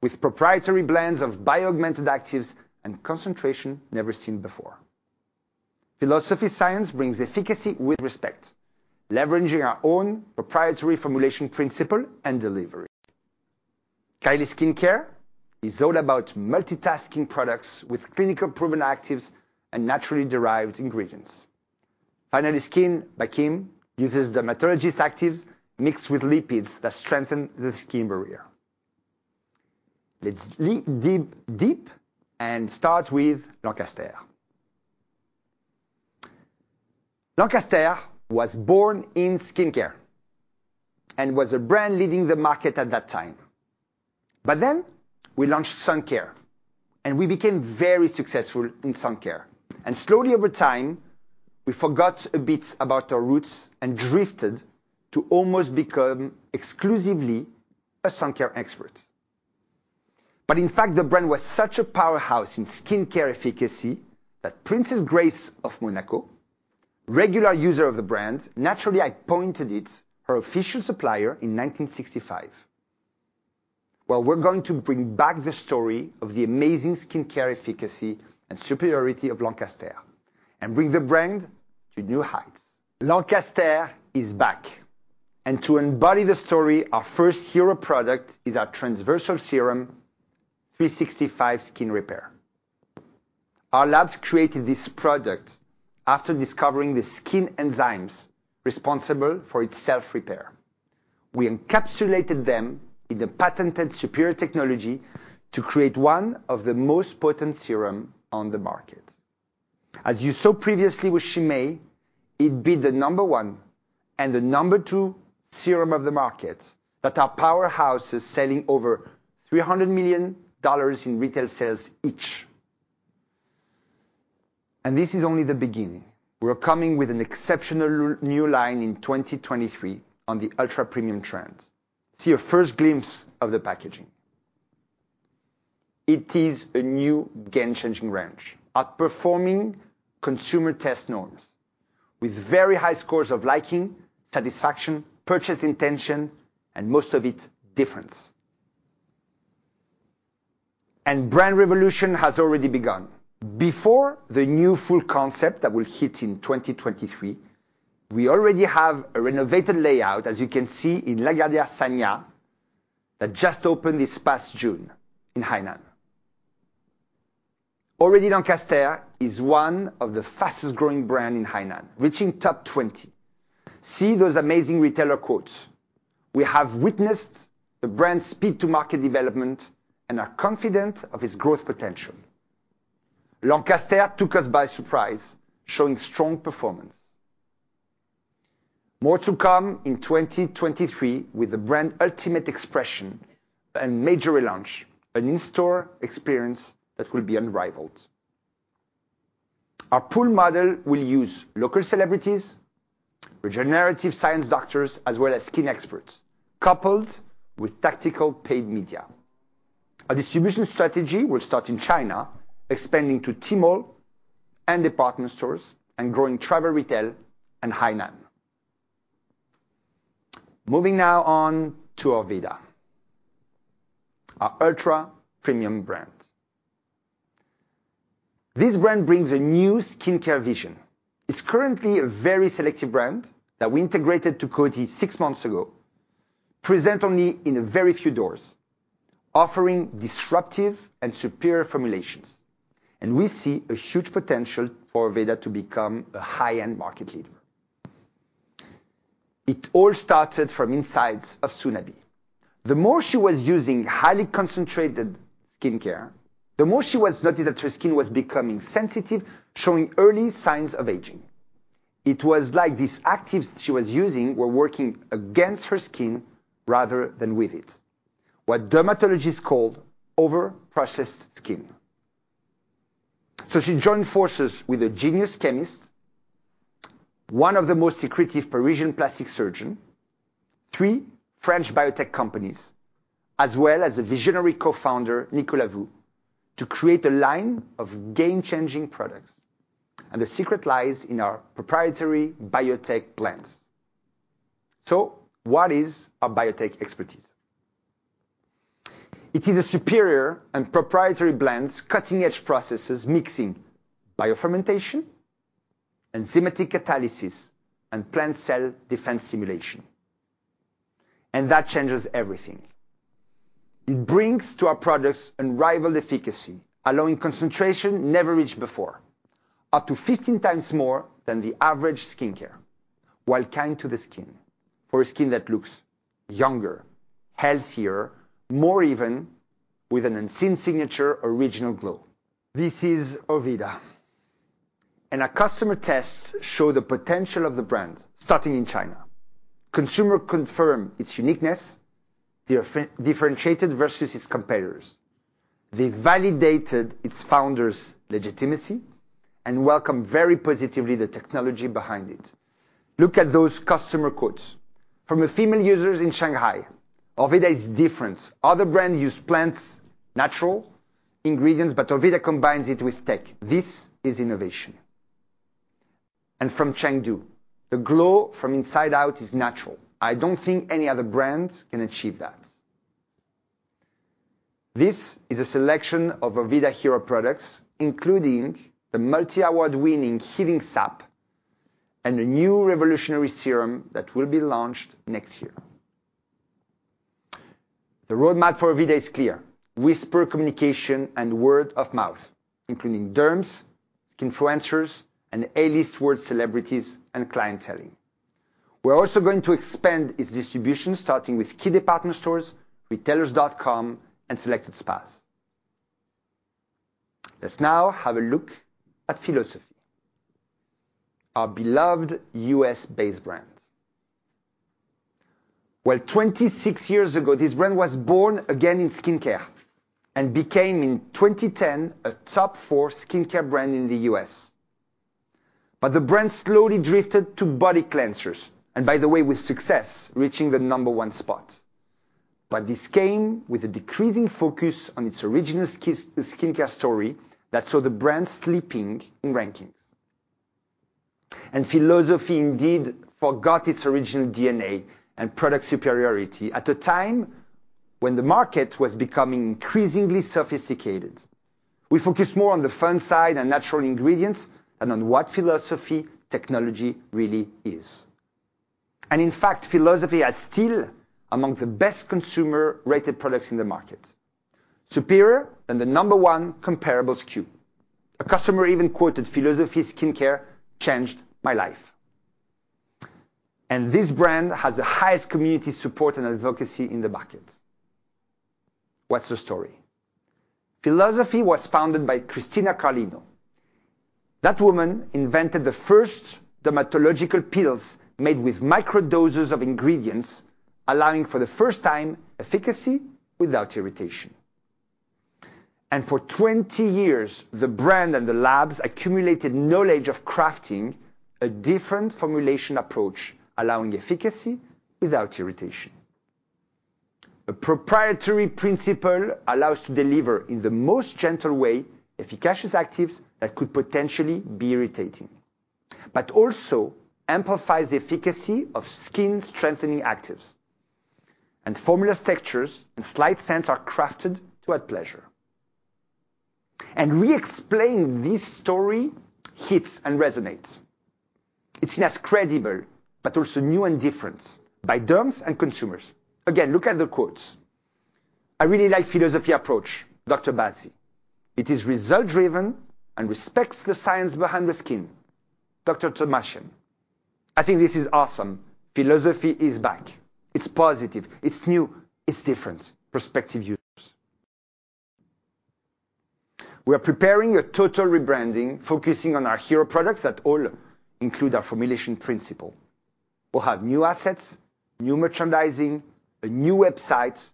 with proprietary blends of bio-augmented actives and concentration never seen before. philosophy science brings efficacy with respect, leveraging our own proprietary formulation principle and delivery. Kylie Skin Care is all about multitasking products with clinical proven actives and naturally derived ingredients. Finally, SKKN by Kim uses dermatologist actives mixed with lipids that strengthen the skin barrier. Let's dig deep and start with Lancaster. Lancaster was born in skincare and was a brand leading the market at that time. We launched Sun Care, and we became very successful in Sun Care. Slowly over time, we forgot a bit about our roots and drifted to almost become exclusively a sun care expert. In fact, the brand was such a powerhouse in skincare efficacy that Princess Grace of Monaco, regular user of the brand, naturally appointed it her official supplier in 1965. Well, we're going to bring back the story of the amazing skincare efficacy and superiority of Lancaster and bring the brand to new heights. Lancaster is back, and to embody the story, our first hero product is our transversal serum, 365 Skin Repair. Our labs created this product after discovering the skin enzymes responsible for its self-repair. We encapsulated them in a patented superior technology to create one of the most potent serum on the market. As you saw previously with Shimei, it's the number one and the number 2 serum of the market that our powerhouse is selling over $300 million in retail sales each. This is only the beginning. We're coming with an exceptional new line in 2023 on the Ultra-Premium trend. See a first glimpse of the packaging. It is a new game-changing range, outperforming consumer test norms with very high scores of liking, satisfaction, purchase intention, and most of it, difference. Brand revolution has already begun. Before the new full concept that will hit in 2023, we already have a renovated layout, as you can see in La Galleria, Sanya, that just opened this past June in Hainan. Already, Lancaster is one of the fastest-growing brand in Hainan, reaching top 20. See those amazing retailer quotes. We have witnessed the brand speed to market development and are confident of its growth potential. Lancaster took us by surprise, showing strong performance. More to come in 2023 with the brand ultimate expression and major relaunch, an in-store experience that will be unrivaled. Our pool model will use local celebrities, regenerative science doctors, as well as skin experts, coupled with tactical paid media Our distribution strategy will start in China, expanding to Tmall and department stores, and growing travel retail in Hainan. Moving now on to Orveda, our Ultra-Premium brand. This brand brings a new skincare vision. It's currently a very selective brand that we integrated to Coty 6 months ago, present only in a very few doors, offering disruptive and superior formulations. We see a huge potential for Orveda to become a high-end market leader. It all started from insights of Sue Nabi. The more she was using highly concentrated skincare, the more she noticed that her skin was becoming sensitive, showing early signs of aging. It was like these actives she was using were working against her skin rather than with it, what dermatologists call Over-Processed skin. She joined forces with a genius chemist, one of the most secretive Parisian plastic surgeon, 3 French biotech companies, as well as a visionary Co-Founder, Nicolas Vu, to create a line of game-changing products. The secret lies in our proprietary biotech blends. What is our biotech expertise? It is a superior and proprietary blends, cutting-edge processes, mixing biofermentation, enzymatic catalysis, and plant cell defense simulation. That changes everything. It brings to our products unrivaled efficacy, allowing concentration never reached before, up to 15 times more than the average skincare, while kind to the skin. For a skin that looks younger, healthier, more even, with an unseen signature original glow. This is Orveda. Our customer tests show the potential of the brand starting in China. Consumers confirm its uniqueness, differentiated versus its competitors. They validated its founder's legitimacy and welcome very positively the technology behind it. Look at those customer quotes. From a female user in Shanghai, "Orveda is different. Other brands use plants, natural ingredients, but Orveda combines it with tech. This is innovation." From Chengdu, "The glow from inside out is natural. I don't think any other brand can achieve that." This is a selection of Orveda hero products, including the multi-award-winning Healing Sap and a new revolutionary serum that will be launched next year. The roadmap for Orveda is clear. Whisper communication and word of mouth, including derms, skinfluencers, and A-list world celebrities and clienteling. We're also going to expand its distribution, starting with key department stores, retailers.com, and selected spas. Let's now have a look at philosophy, our beloved U.S.-based brand. Well, 26 years ago, this brand was born again in skincare and became, in 2010, a top four skincare brand in the U.S. The brand slowly drifted to body cleansers, and by the way, with success, reaching the number one spot. This came with a decreasing focus on its original skincare story that saw the brand sleeping in rankings. philosophy indeed forgot its original DNA and product superiority at a time when the market was becoming increasingly sophisticated. We focus more on the fun side and natural ingredients and on what philosophy technology really is. In fact, philosophy are still among the best consumer-rated products in the market, superior and the number one comparable SKU. A customer even quoted, "philosophy skincare changed my life." This brand has the highest community support and advocacy in the market. What's the story? philosophy was founded by Cristina Carlino. That woman invented the first dermatological peels made with microdoses of ingredients, allowing for the first time efficacy without irritation. For 20 years, the brand and the labs accumulated knowledge of crafting a different formulation approach, allowing efficacy without irritation. A proprietary principle allows to deliver, in the most gentle way, efficacious actives that could potentially be irritating, but also amplifies the efficacy of skin strengthening actives. Formulas, textures, and slight scents are crafted to add pleasure. We explain this story hits and resonates. It's seen as credible but also new and different by derms and consumers. Again, look at the quotes. "I really like philosophy approach," Dr. Bazzi. It is result-driven and respects the science behind the skin," Dr. Tomassian. "I think this is awesome. philosophy is back. It's positive, it's new, it's different," prospective users. We are preparing a total rebranding, focusing on our hero products that all include our formulation principle. We'll have new assets, new merchandising, a new website,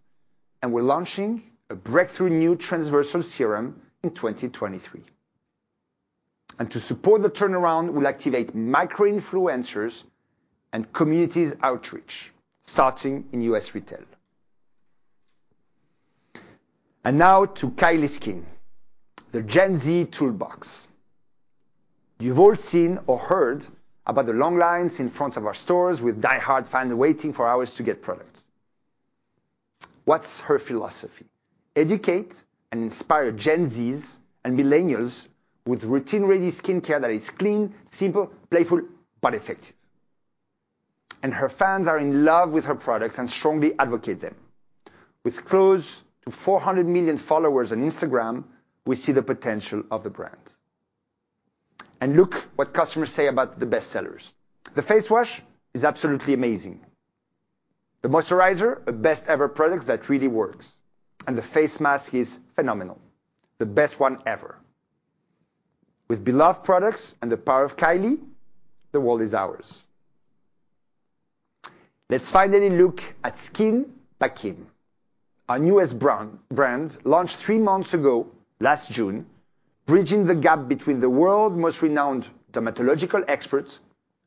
and we're launching a breakthrough new transversal serum in 2023. To support the turnaround, we'll activate micro-influencers and communities outreach, starting in U.S. retail. Now to Kylie Skin, the Gen Z toolbox. You've all seen or heard about the long lines in front of our stores with diehard fans waiting for hours to get products. What's her philosophy? Educate and inspire Gen Z's and millennials with routine-ready skincare that is clean, simple, playful, but effective. Her fans are in love with her products and strongly advocate them. With close to 400 million followers on Instagram, we see the potential of the brand. Look what customers say about the bestsellers. "The face wash is absolutely amazing." "The moisturizer, a best ever product that really works." "And the face mask is phenomenal, the best one ever." With beloved products and the power of Kylie, the world is ours. Let's finally look at SKKN by Kim, our newest brand, launched 3 months ago last June, bridging the gap between the world's most renowned dermatological experts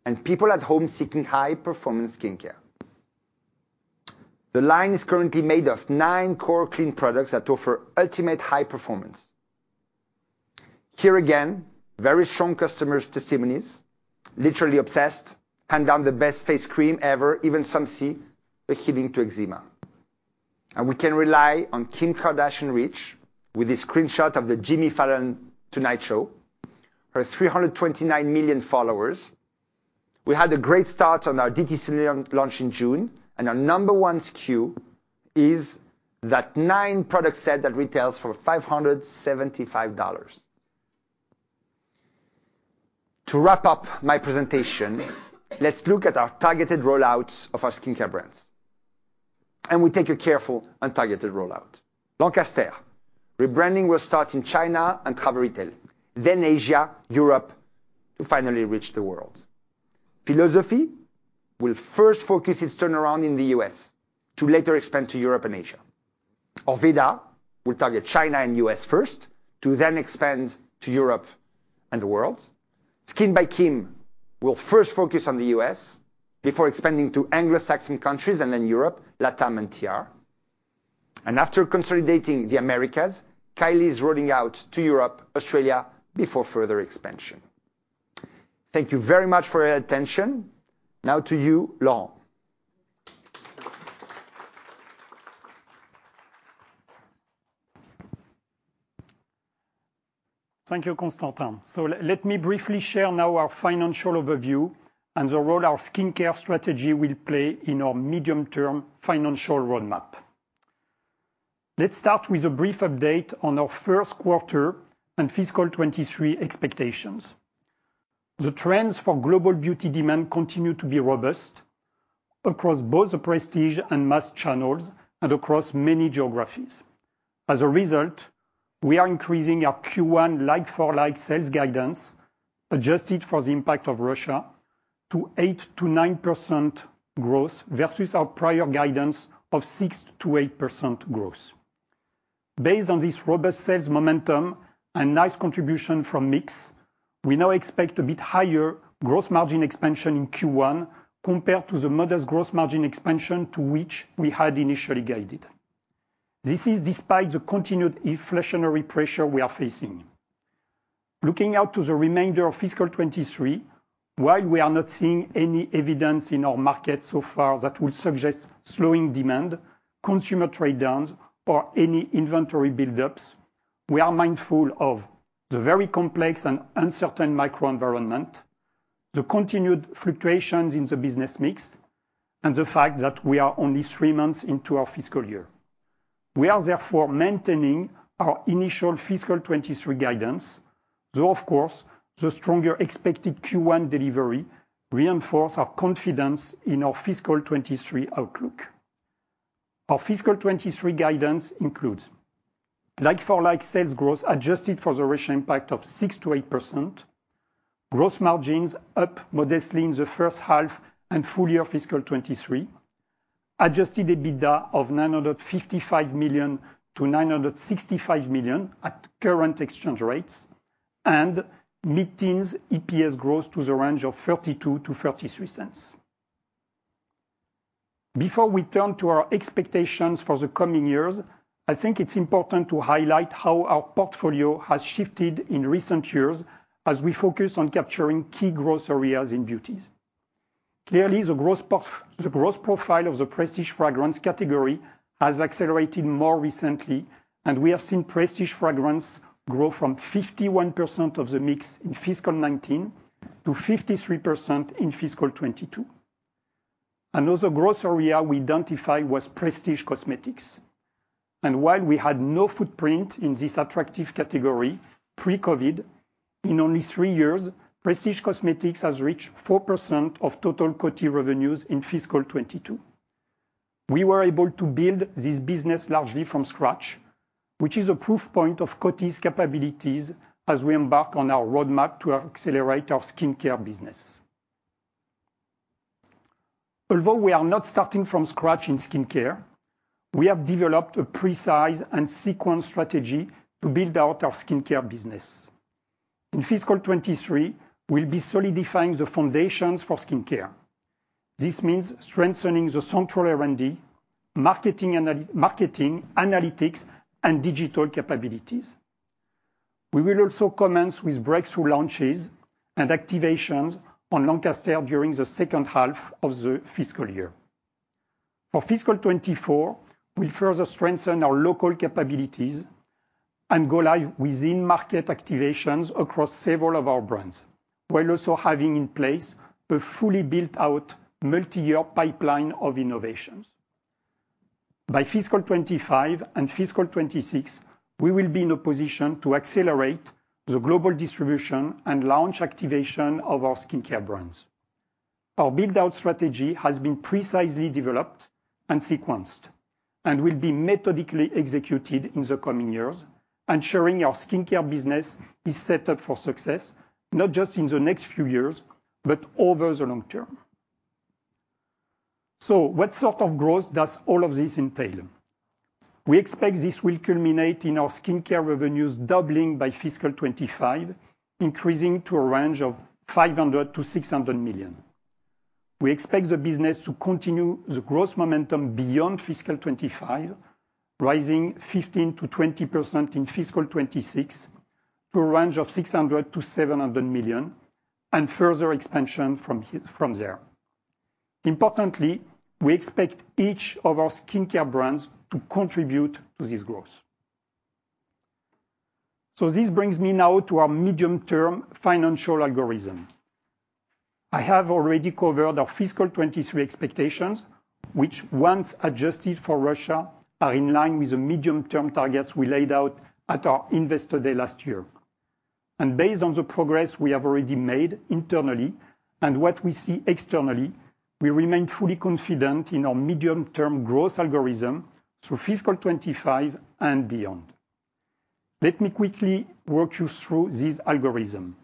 and people at home seeking high performance skincare. The line is currently made of 9 core clean products that offer ultimate high performance. Here again, very strong customer testimonials, literally obsessed, hands down the best face cream ever, even some see a healing to eczema. We can rely on Kim Kardashian's reach with a screenshot of The Tonight Show Starring Jimmy Fallon, her 329 million followers. We had a great start on our DTC launch in June, and our number one SKU is that 9 product set that retails for $575. To wrap up my presentation, let's look at our targeted rollouts of our skincare brands. We take a careful and targeted rollout. Lancaster rebranding will start in China and travel retail, then Asia, Europe, to finally reach the world. philosophy will first focus its turnaround in the U.S. to later expand to Europe and Asia. Orveda will target China and U.S. first to then expand to Europe and the world. SKKN by Kim will first focus on the U.S. before expanding to Anglo-Saxon countries and then Europe, Latam, and TR. After consolidating the Americas, Kylie is rolling out to Europe, Australia before further expansion. Thank you very much for your attention. Now to you, Laurent. Thank you, Constantin. Let me briefly share now our financial overview and the role our skincare strategy will play in our medium-term financial roadmap. Let's start with a brief update on our first 1/4 and fiscal 2023 expectations. The trends for global beauty demand continue to be robust across both the prestige and mass channels and across many geographies. As a result, we are increasing our Q1 Like-For-Like sales guidance, adjusted for the impact of Russia to 8%-9% growth versus our prior guidance of 6%-8% growth. Based on this robust sales momentum and nice contribution from mix, we now expect a bit higher growth margin expansion in Q1 compared to the modest growth margin expansion to which we had initially guided. This is despite the continued inflationary pressure we are facing. Looking out to the remainder of fiscal 2023, while we are not seeing any evidence in our market so far that would suggest slowing demand, consumer trade downs, or any inventory buildups, we are mindful of the very complex and uncertain microenvironment, the continued fluctuations in the business mix, and the fact that we are only 3 months into our fiscal year. We are therefore maintaining our initial fiscal 2023 guidance, though of course, the stronger expected Q1 delivery reinforce our confidence in our fiscal 2023 outlook. Our fiscal 2023 guidance includes Like-For-Like sales growth adjusted for the Russian impact of 6%-8%, gross margins up modestly in the first 1/2 and full year fiscal 2023, adjusted EBITDA of $955 million-$965 million at current exchange rates, and Mid-teens EPS growth to the range of $0.32-$0.33. Before we turn to our expectations for the coming years, I think it's important to highlight how our portfolio has shifted in recent years as we focus on capturing key growth areas in beauty. Clearly, the growth profile of the prestige fragrance category has accelerated more recently, and we have seen prestige fragrance grow from 51% of the mix in fiscal 2019 to 53% in fiscal 2022. Another growth area we identified was prestige cosmetics. While we had no footprint in this attractive category Pre-COVID, in only 3 years, prestige cosmetics has reached 4% of total Coty revenues in fiscal 2022. We were able to build this business largely from scratch, which is a proof point of Coty's capabilities as we embark on our roadmap to accelerate our skincare business. Although we are not starting from scratch in skincare, we have developed a precise and sequenced strategy to build out our skincare business. In fiscal 2023, we'll be solidifying the foundations for skincare. This means strengthening the central R&D, marketing, analytics, and digital capabilities. We will also commence with breakthrough launches and activations on Lancaster during the second 1/2 of the fiscal year. For fiscal 2024, we further strengthen our local capabilities and go live within market activations across several of our brands, while also having in place a fully built out multi-year pipeline of innovations. By fiscal 2025 and fiscal 2026, we will be in a position to accelerate the global distribution and launch activation of our skincare brands. Our build out strategy has been precisely developed and sequenced. It will be methodically executed in the coming years, ensuring our skincare business is set up for success, not just in the next few years, but over the long term. What sort of growth does all of this entail? We expect this will culminate in our skincare revenues doubling by fiscal 2025, increasing to a range of $500 million-$600 million. We expect the business to continue the growth momentum beyond fiscal 2025, rising 15%-20% in fiscal 2026 to a range of $600 million-$700 million and further expansion from there. Importantly, we expect each of our skincare brands to contribute to this growth. This brings me now to our medium-term financial algorithm. I have already covered our fiscal 2023 expectations, which once adjusted for Russia, are in line with the medium-term targets we laid out at our investor day last year. Based on the progress we have already made internally and what we see externally, we remain fully confident in our medium-term growth algorithm through fiscal 2025 and beyond. Let me quickly walk you through this algorithm.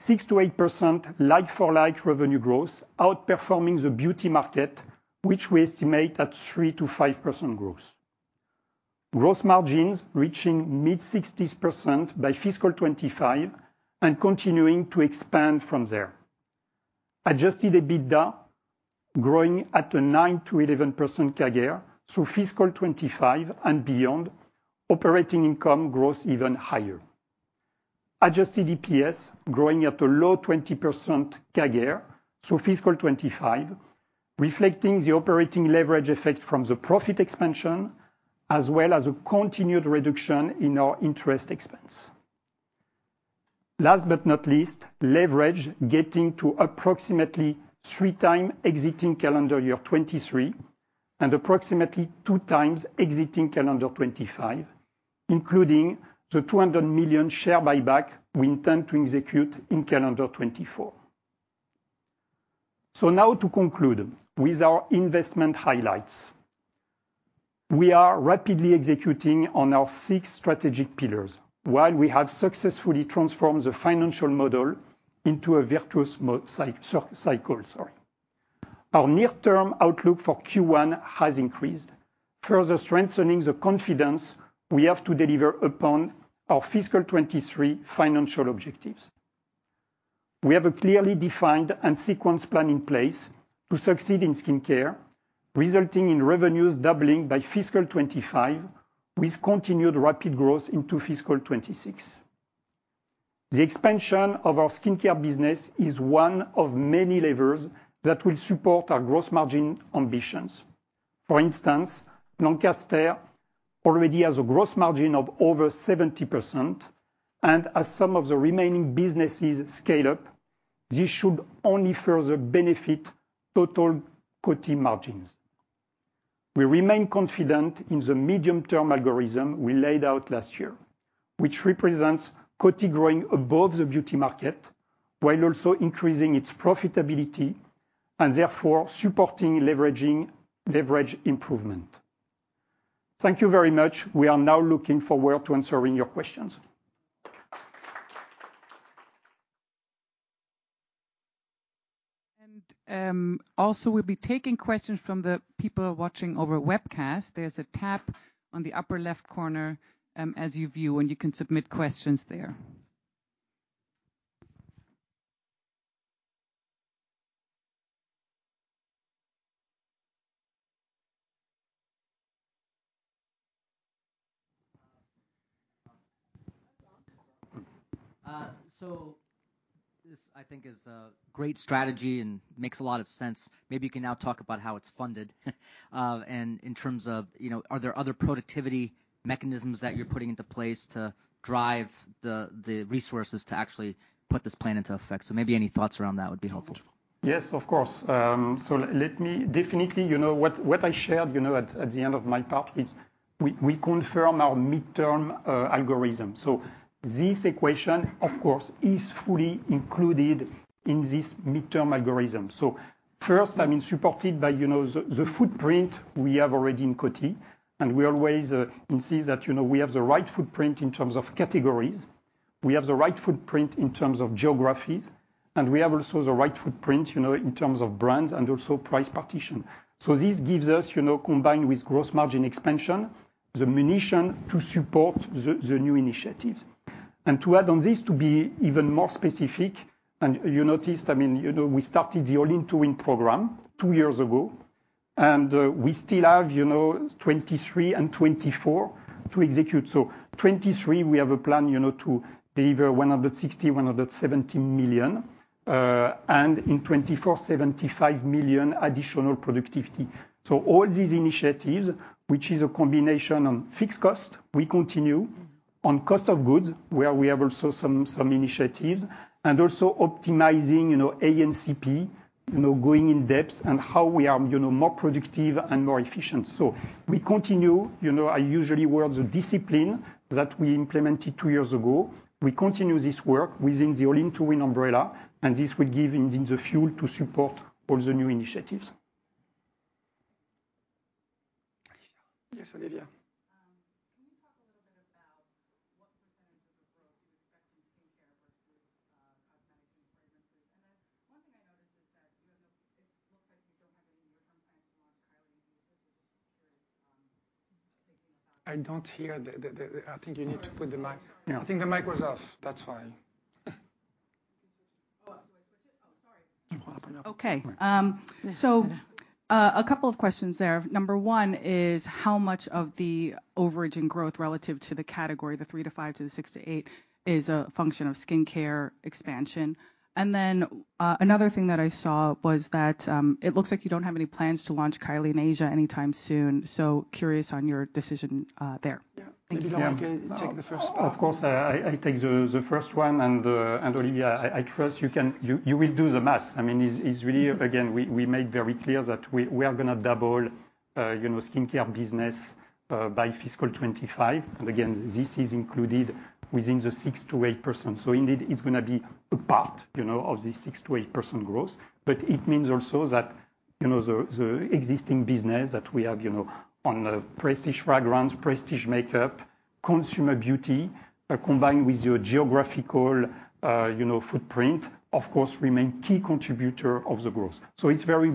6%-8% Like-For-Like revenue growth, outperforming the beauty market, which we estimate at 3%-5% growth. Gross margins reaching Mid-60s% by fiscal 2025 and continuing to expand from there. Adjusted EBITDA growing at a 9%-11% CAGR through fiscal 2025 and beyond. Operating income grows even higher. Adjusted EPS growing at a low 20% CAGR through fiscal 2025, reflecting the operating leverage effect from the profit expansion as well as a continued reduction in our interest expense. Last but not least, leverage getting to approximately 3x exiting calendar year 2023 and approximately 2x exiting calendar 2025, including the $200 million share buyback we intend to execute in calendar 2024. Now to conclude with our investment highlights. We are rapidly executing on our 6 strategic pillars, while we have successfully transformed the financial model into a virtuous cycle. Our near-term outlook for Q1 has increased, further strengthening the confidence we have to deliver upon our fiscal 2023 financial objectives. We have a clearly defined and sequenced plan in place to succeed in skincare, resulting in revenues doubling by fiscal 2025, with continued rapid growth into fiscal 2026. The expansion of our skincare business is one of many levers that will support our gross margin ambitions. For instance, Lancaster already has a gross margin of over 70%, and as some of the remaining businesses scale up, this should only further benefit total Coty margins. We remain confident in the medium-term algorithm we laid out last year, which represents Coty growing above the beauty market while also increasing its profitability and therefore supporting leverage improvement. Thank you very much. We are now looking forward to answering your questions. Also we'll be taking questions from the people watching over webcast. There's a tab on the upper left corner, as you view, and you can submit questions there. This, I think, is a great strategy and makes a lot of sense. Maybe you can now talk about how it's funded, and in terms of, you know, are there other productivity mechanisms that you're putting into place to drive the resources to actually put this plan into effect? Maybe any thoughts around that would be helpful. Yes, of course. Definitely, you know, what I shared, you know, at the end of my part is we confirm our midterm algorithm. This equation, of course, is fully included in this midterm algorithm. First, I mean, supported by, you know, the footprint we have already in Coty, and we always insist that, you know, we have the right footprint in terms of categories, we have the right footprint in terms of geographies, and we have also the right footprint, you know, in terms of brands and also price positioning. This gives us, you know, combined with gross margin expansion, the ammunition to support the new initiatives. To add on this, to be even more specific, and you noticed, I mean, you know, we started the All In to Win program 2 years ago, and we still have, you know, 2023 and 2024 to execute. 2023, we have a plan, you know, to deliver $160-$170 million, and in 2024, $75 million additional productivity. All these initiatives, which is a combination on fixed cost, we continue on cost of goods, where we have also some initiatives, and also optimizing, you know, A&CP, you know, going in depth on how we are, you know, more productive and more efficient. We continue, you know, with the discipline that we implemented 2 years ago. We continue this work within the All In to Win umbrella, and this will give us the fuel to support all the new initiatives. Olivia. Yes, Olivia. I don't hear the. Sorry. I think the mic was off. That's fine. You can switch. It's popping up. Okay. A couple of questions there. Number 1 is how much of the overage in growth relative to the category, the 3%-5% to the 6%-8%, is a function of skincare expansion? Then, another thing that I saw was that it looks like you don't have any plans to launch Kylie in Asia anytime soon, so curious on your decision there. Yeah. I think you don't want to take the first one. Of course, I take the first one. Olivia, I trust you will do the math. I mean, it's really, again, we made very clear that we are gonna double, you know, skincare business by fiscal 2025. Again, this is included within the 6%-8%. Indeed, it's gonna be a part, you know, of the 6%-8% growth. It means also that, you know, the existing business that we have, you know, on the prestige fragrance, prestige makeup, consumer beauty combined with your geographical footprint, of course remain key contributor of the growth. It's very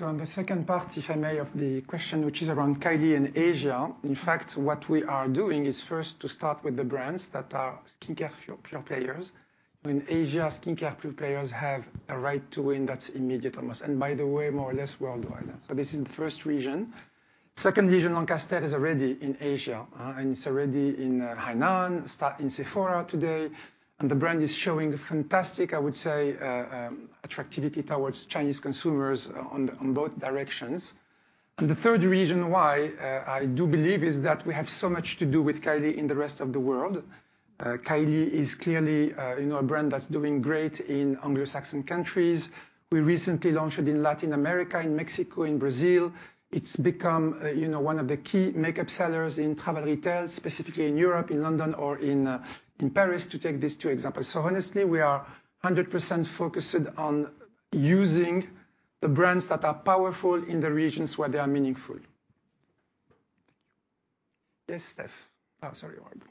Well-Balanced. On the second part, if I may, of the question, which is around Kylie in Asia. In fact, what we are doing is first to start with the brands that are skincare pure players. In Asia, skincare pure players have a right to win that's immediate almost. And by the way, more or less worldwide. This is the first region. Second region, Lancaster is already in Asia, and it's already in Hainan, stocked in Sephora today, and the brand is showing fantastic, I would say, attractivity towards Chinese consumers on both directions. And the 1/3 reason why, I do believe is that we have so much to do with Kylie in the rest of the world. Kylie is clearly, you know, a brand that's doing great in Anglo-Saxon countries. We recently launched it in Latin America, in Mexico, in Brazil. It's become, you know, one of the key makeup sellers in travel retail, specifically in Europe, in London, or in Paris, to take these 2 examples. Honestly, we are 100% focused on using the brands that are powerful in the regions where they are meaningful. Yes, Steph. Oh, sorry, Robbert.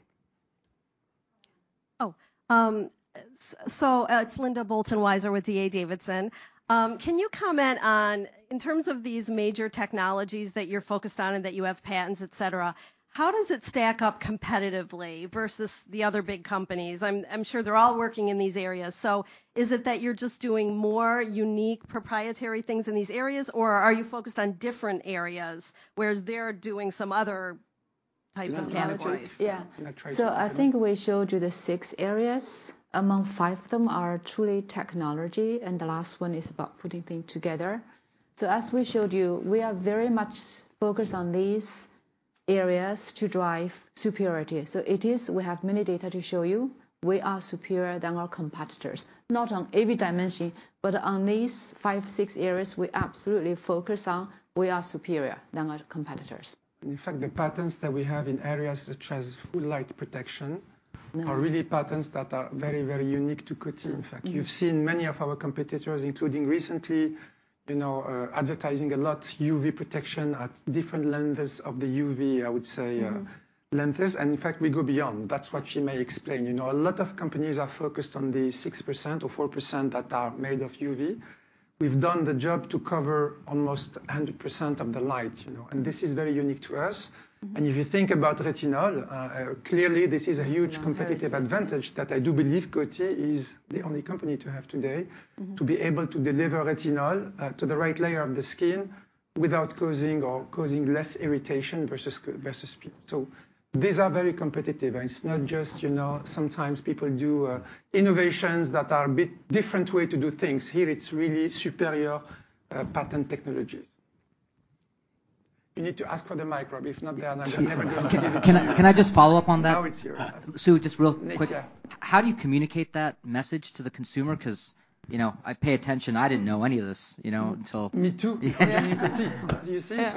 It's Linda Bolton Weiser with D.A. Davidson. Can you comment on, in terms of these major technologies that you're focused on and that you have patents, et cetera, how does it stack up competitively versus the other big companies? I'm sure they're all working in these areas. Is it that you're just doing more unique proprietary things in these areas, or are you focused on different areas whereas they're doing some other types of categories? Do you wanna answer? Yeah. Can I try- I think we showed you the 6 areas. Among 5 of them are truly technology, and the last one is about putting things together. As we showed you, we are very much focused on these areas to drive superiority. It is, we have many data to show you. We are superior than our competitors. Not on every dimension, but on these 5, 6 areas we absolutely focus on, we are superior than our competitors. In fact, the patents that we have in areas such as Full Light Protection. Mm-hmm are really patents that are very, very unique to Coty. In fact, you've seen many of our competitors, including recently, you know, advertising a lot of UV protection at different lengths of the UV, I would say, Mm-hmm Lengths. In fact, we go beyond. That's what she may explain. You know, a lot of companies are focused on the 6% or 4% that are made of UV. We've done the job to cover almost 100% of the light, you know, and this is very unique to us. Mm-hmm. If you think about retinol, clearly this is a huge competitive advantage that I do believe Coty is the only company to have today. Mm-hmm. To be able to deliver retinol to the right layer of the skin without causing less irritation versus peer. These are very competitive. It's not just, you know, sometimes people do innovations that are a bit different way to do things. Here, it's really superior patented technologies. You need to ask for the mic, Robbert, if not they are not. Can I just follow up on that? Now it's here. Just real quick. Nik, yeah. How do you communicate that message to the consumer? 'Cause, you know, I pay attention, I didn't know any of this, you know, until- Me too. Yeah. Only Coty. Do you see? Yeah.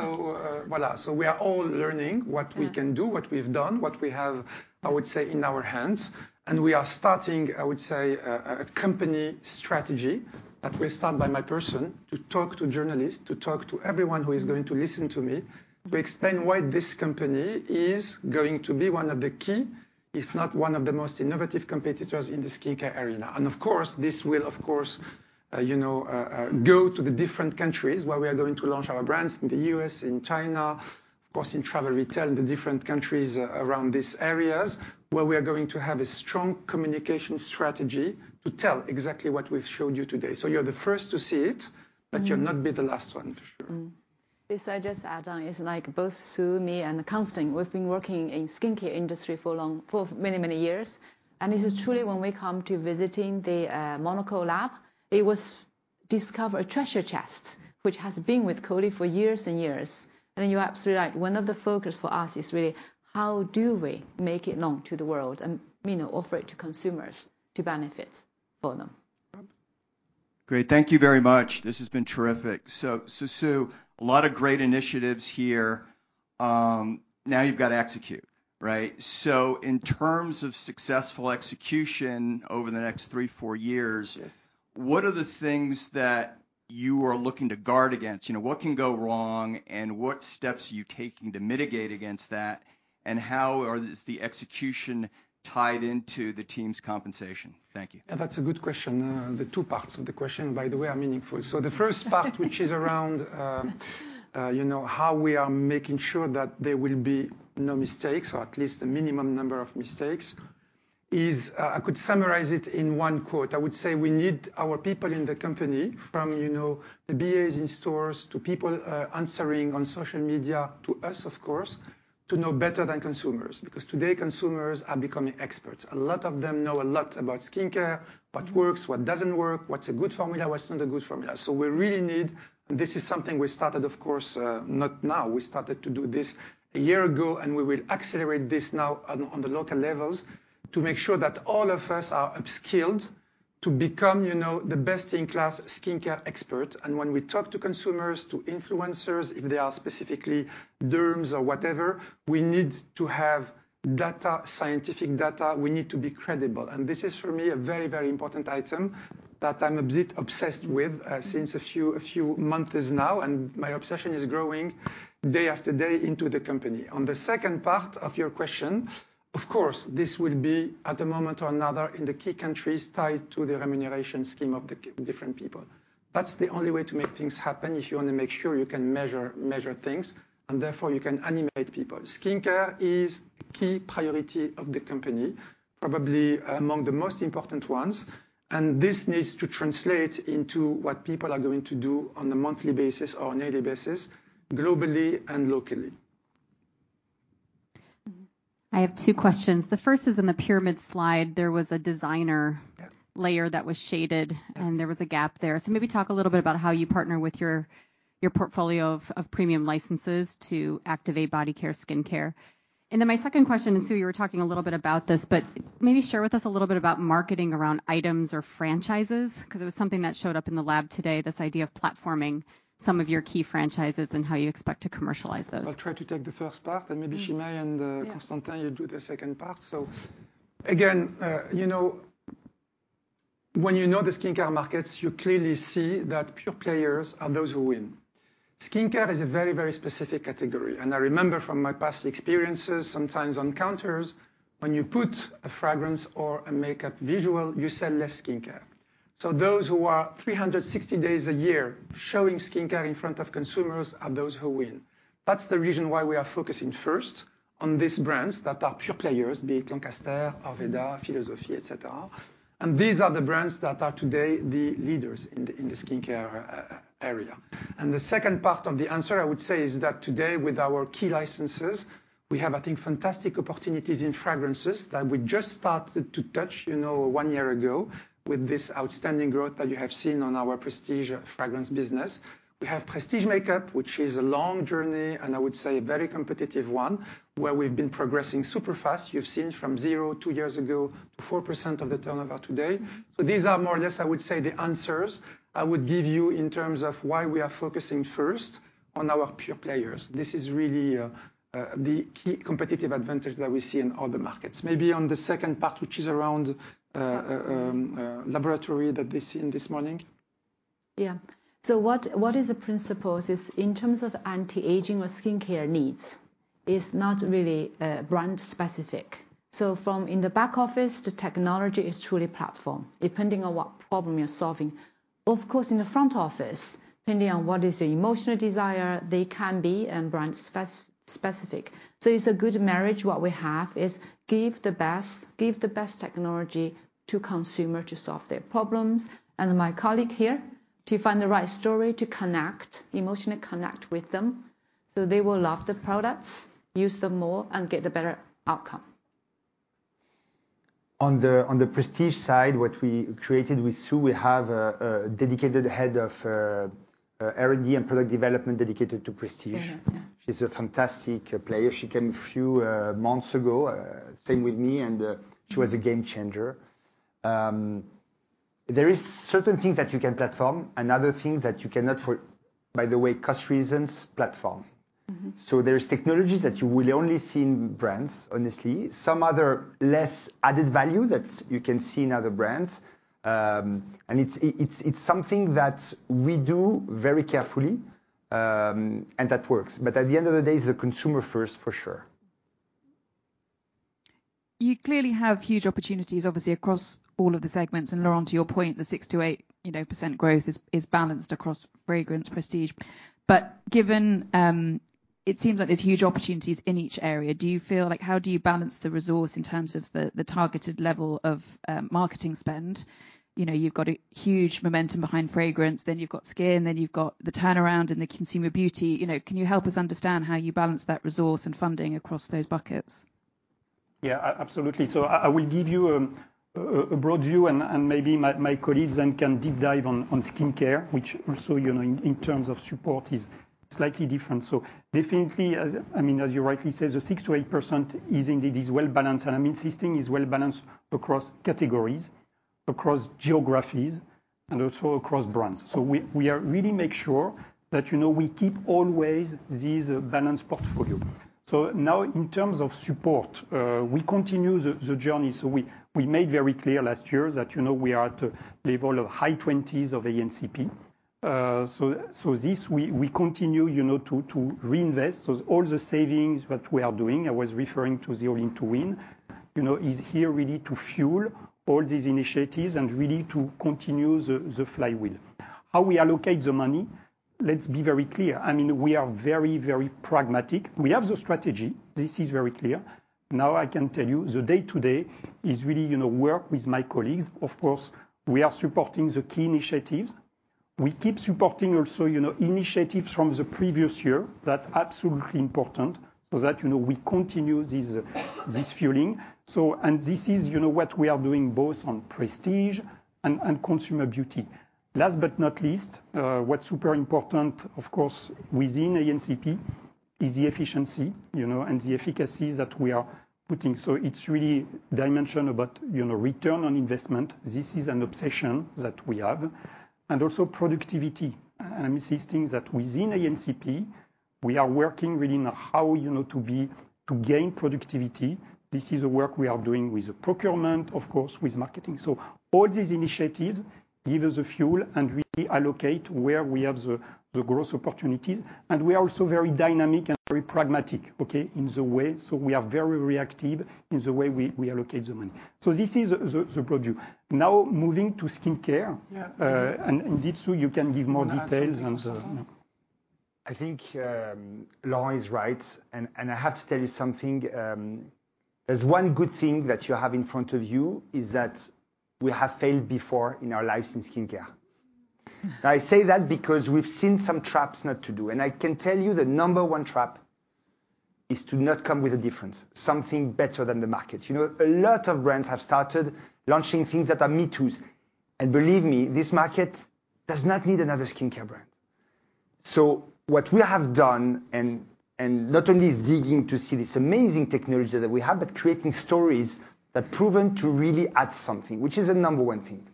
Voilà. We are all learning what we can do, what we've done, what we have, I would say, in our hands. We are starting, I would say, a company strategy that will start by my person to talk to journalists, to talk to everyone who is going to listen to me, to explain why this company is going to be one of the key, if not one of the most innovative competitors in the skincare arena. Of course, this will of course, you know, go to the different countries where we are going to launch our brands, in the U.S., in China, of course in travel retail, in the different countries around these areas, where we are going to have a strong communication strategy to tell exactly what we've showed you today. You're the first to see it, but you'll not be the last one, for sure. This, I just add on, is like both Sue, me, and Constantin, we've been working in skincare industry for many, many years. This is truly when we come to visiting the Monaco lab, it was discover a treasure chest, which has been with Coty for years and years. You're absolutely right, one of the focus for us is really how do we make it known to the world and, you know, offer it to consumers to benefit for them? Robbert. Great. Thank you very much. This has been terrific. Sue, a lot of great initiatives here. Now you've got to execute, right? In terms of successful execution over the next 3-4 years. Yes What are the things that You are looking to guard against, you know, what can go wrong and what steps are you taking to mitigate against that, and is the execution tied into the team's compensation? Thank you. That's a good question. The 2 parts of the question, by the way, are meaningful. The first part, which is around, you know, how we are making sure that there will be no mistakes or at least the minimum number of mistakes is, I could summarize it in one quote. I would say we need our people in the company from, you know, the BAs in stores to people answering on social media to us, of course, to know better than consumers, because today consumers are becoming experts. A lot of them know a lot about skincare, what works, what doesn't work, what's a good formula, what's not a good formula. This is something we started, of course, not now. We started to do this a year ago, and we will accelerate this now on the local levels to make sure that all of us are upskilled to become, you know, the best-in-class skincare expert. When we talk to consumers, to influencers, if they are specifically derms or whatever, we need to have data, scientific data. We need to be credible. This is for me a very, very important item that I'm a bit obsessed with since a few months now. My obsession is growing day after day into the company. On the second part of your question, of course, this will be at a moment or another in the key countries tied to the remuneration scheme of the key different people. That's the only way to make things happen if you wanna make sure you can measure things, and therefore you can animate people. Skincare is a key priority of the company, probably among the most important ones, and this needs to translate into what people are going to do on a monthly basis or on a daily basis, globally and locally. Mm-hmm. I have 2 questions. The first is in the pyramid slide, there was a designer. Yeah. -layer that was shaded, and there was a gap there. Maybe talk a little bit about how you partner with your portfolio of premium licenses to activate body care, skincare. Then my second question, and Sue, you were talking a little bit about this, but maybe share with us a little bit about marketing around items or franchises, 'cause it was something that showed up in the lab today, this idea of platforming some of your key franchises and how you expect to commercialize those. I'll try to take the first part, and maybe Shimei. Yeah. Constantin, you do the second part. Again, you know, when you know the skincare markets, you clearly see that pure players are those who win. Skincare is a very, very specific category, and I remember from my past experiences, sometimes on counters, when you put a fragrance or a makeup visual, you sell less skincare. Those who are 360 days a year showing skincare in front of consumers are those who win. That's the reason why we are focusing first on these brands that are pure players, be it Lancaster, Orveda, philosophy, et cetera. These are the brands that are today the leaders in the skincare area. The second part of the answer, I would say, is that today with our key licenses, we have, I think, fantastic opportunities in fragrances that we just started to touch, you know, 1 year ago with this outstanding growth that you have seen on our prestige fragrance business. We have prestige makeup, which is a long journey, and I would say a very competitive one, where we've been progressing super fast. You've seen from 0 2 years ago to 4% of the turnover today. These are more or less, I would say, the answers I would give you in terms of why we are focusing first on our pure players. This is really the key competitive advantage that we see in all the markets. Maybe on the second part, which is around L'Oréal that they see in this morning. Yeah. What is the principles is in terms of anti-aging or skincare needs is not really brand specific. From in the back office, the technology is truly platform, depending on what problem you're solving. Of course, in the front office, depending on what is the emotional desire, they can be brand specific. It's a good marriage. What we have is give the best technology to consumer to solve their problems, and my colleague here to find the right story to connect emotionally with them, so they will love the products, use them more, and get the better outcome. On the prestige side, what we created with Sue, we have a dedicated head of R&D and product development dedicated to prestige. Mm-hmm. Yeah. She's a fantastic player. She came a few months ago, same with me, and she was a game changer. There is certain things that you can platform and other things that you cannot for, by the way, cost reasons, platform. Mm-hmm. There's technologies that you will only see in brands, honestly. Some other less added value that you can see in other brands. It's something that we do very carefully, and that works. At the end of the day, it's the consumer first for sure. You clearly have huge opportunities, obviously across all of the segments. Laurent, to your point, the 6%-8% growth is balanced across fragrance, prestige. Given it seems like there's huge opportunities in each area, do you feel like how do you balance the resource in terms of the targeted level of marketing spend? You know, you've got a huge momentum behind fragrance, then you've got skin, then you've got the turnaround and the consumer beauty. You know, can you help us understand how you balance that resource and funding across those buckets? Absolutely. I will give you a broad view and maybe my colleagues then can deep dive on skincare, which also, you know, in terms of support is slightly different. Definitely, I mean, as you rightly say, 6%-8% is indeed Well-Balanced. I'm insisting it is Well-Balanced across categories, across geographies, and also across brands. We really make sure that, you know, we keep always this balanced portfolio. Now in terms of support, we continue the journey. We made very clear last year that, you know, we are at a level of high twenties of A&CP. This we continue, you know, to reinvest. All the savings that we are doing, I was referring to the All In to Win, you know, is here really to fuel all these initiatives and really to continue the flywheel. How we allocate the money, let's be very clear. I mean, we are very, very pragmatic. We have the strategy. This is very clear. Now I can tell you the Day-To-Day is really, you know, work with my colleagues. Of course, we are supporting the key initiatives. We keep supporting also, you know, initiatives from the previous year. That's absolutely important, so that, you know, we continue this fueling. This is what we are doing both on prestige and consumer beauty. Last but not least, what's super important, of course, within A&CP is the efficiency and the efficacy that we are putting. It's really dimension about return on investment. This is an obsession that we have. Also productivity. This is things that within A&CP we are working really on how to gain productivity. This is work we are doing with procurement, of course, with marketing. All these initiatives give us the fuel and really allocate where we have the growth opportunities. We are also very dynamic and very pragmatic, okay, in the way. We are very reactive in the way we allocate the money. This is the prod you. Now moving to skincare, and Sue, you can give more details on the. I think, Laurent is right, and I have to tell you something, there's one good thing that you have in front of you, is that we have failed before in our lives in skincare. Now, I say that because we've seen some traps not to do. I can tell you the number one trap is to not come with a difference, something better than the market. You know, a lot of brands have started launching things that are me-toos. Believe me, this market does not need another skincare brand. What we have done, and not only is digging to see this amazing technology that we have, but creating stories that proven to really add something, which is a number one thing.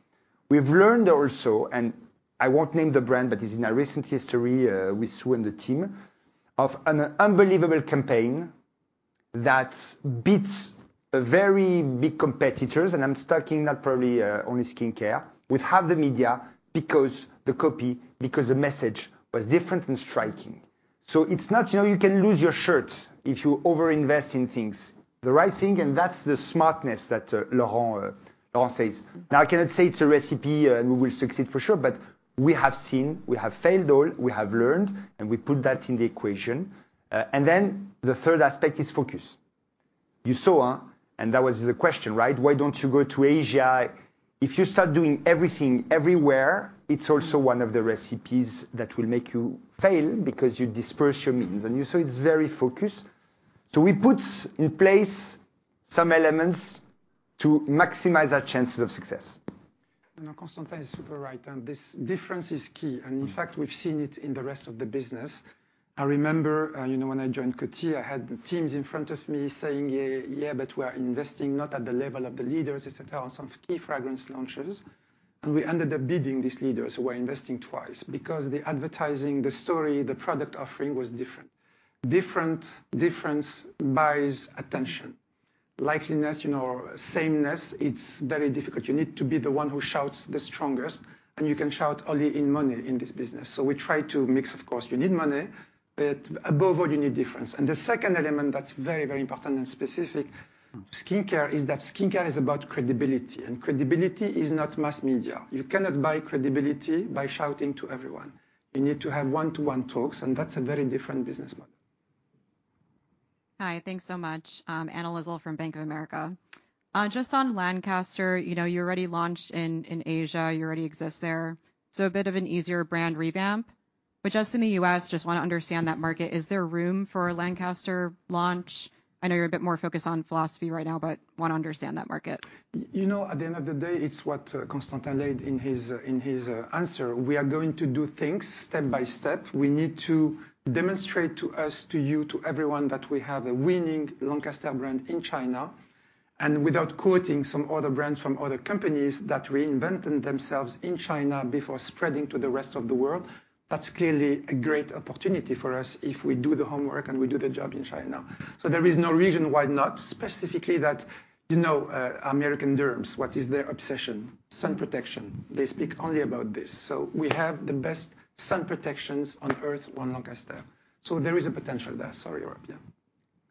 We've learned also, and I won't name the brand, but it's in our recent history, with Sue and the team, of an unbelievable campaign that beats very big competitors, and I'm talking not probably only skincare. We have the media because the copy, because the message was different and striking. It's not, you know, you can lose your shirts if you overinvest in things. The right thing, and that's the smartness that Laurent says. Now, I cannot say it's a recipe and we will succeed for sure, but we have seen, we have failed all, we have learned, and we put that in the equation. Then the 1/3 aspect is focus. You saw, and that was the question, right? Why don't you go to Asia? If you start doing everything everywhere, it's also one of the recipes that will make you fail because you disperse your means. You saw it's very focused. We put in place some elements to maximize our chances of success. No, Constantin is super right, and this difference is key. In fact, we've seen it in the rest of the business. I remember, you know, when I joined Coty, I had teams in front of me saying, "Yeah, yeah, but we're investing not at the level of the leaders," et cetera, on some key fragrance launches. We ended up beating these leaders who were investing twice because the advertising, the story, the product offering was different. Different, difference buys attention. Likeness, you know, sameness, it's very difficult. You need to be the one who shouts the strongest, and you can shout only with money in this business. We try to mix. Of course, you need money, but above all, you need difference. The second element that's very, very important and specific to skincare is that skincare is about credibility, and credibility is not mass media. You cannot buy credibility by shouting to everyone. You need to have one-to-one talks, and that's a very different business model. Hi. Thanks so much. I'm Anna Lizzul from Bank of America. Just on Lancaster, you know, you already launched in Asia, you already exist there, so a bit of an easier brand revamp. Just in the U.S., just wanna understand that market. Is there room for a Lancaster launch? I know you're a bit more focused on philosophy right now, but wanna understand that market. You know, at the end of the day, it's what Constantin laid in his answer. We are going to do things step by step. We need to demonstrate to us, to you, to everyone that we have a winning Lancaster brand in China. Without quoting some other brands from other companies that reinvented themselves in China before spreading to the rest of the world, that's clearly a great opportunity for us if we do the homework and we do the job in China. There is no reason why not specifically that, you know, American derms, what is their obsession? Sun protection. They speak only about this. We have the best sun protections on Earth on Lancaster. There is a potential there. Sorry, Europe. Yeah.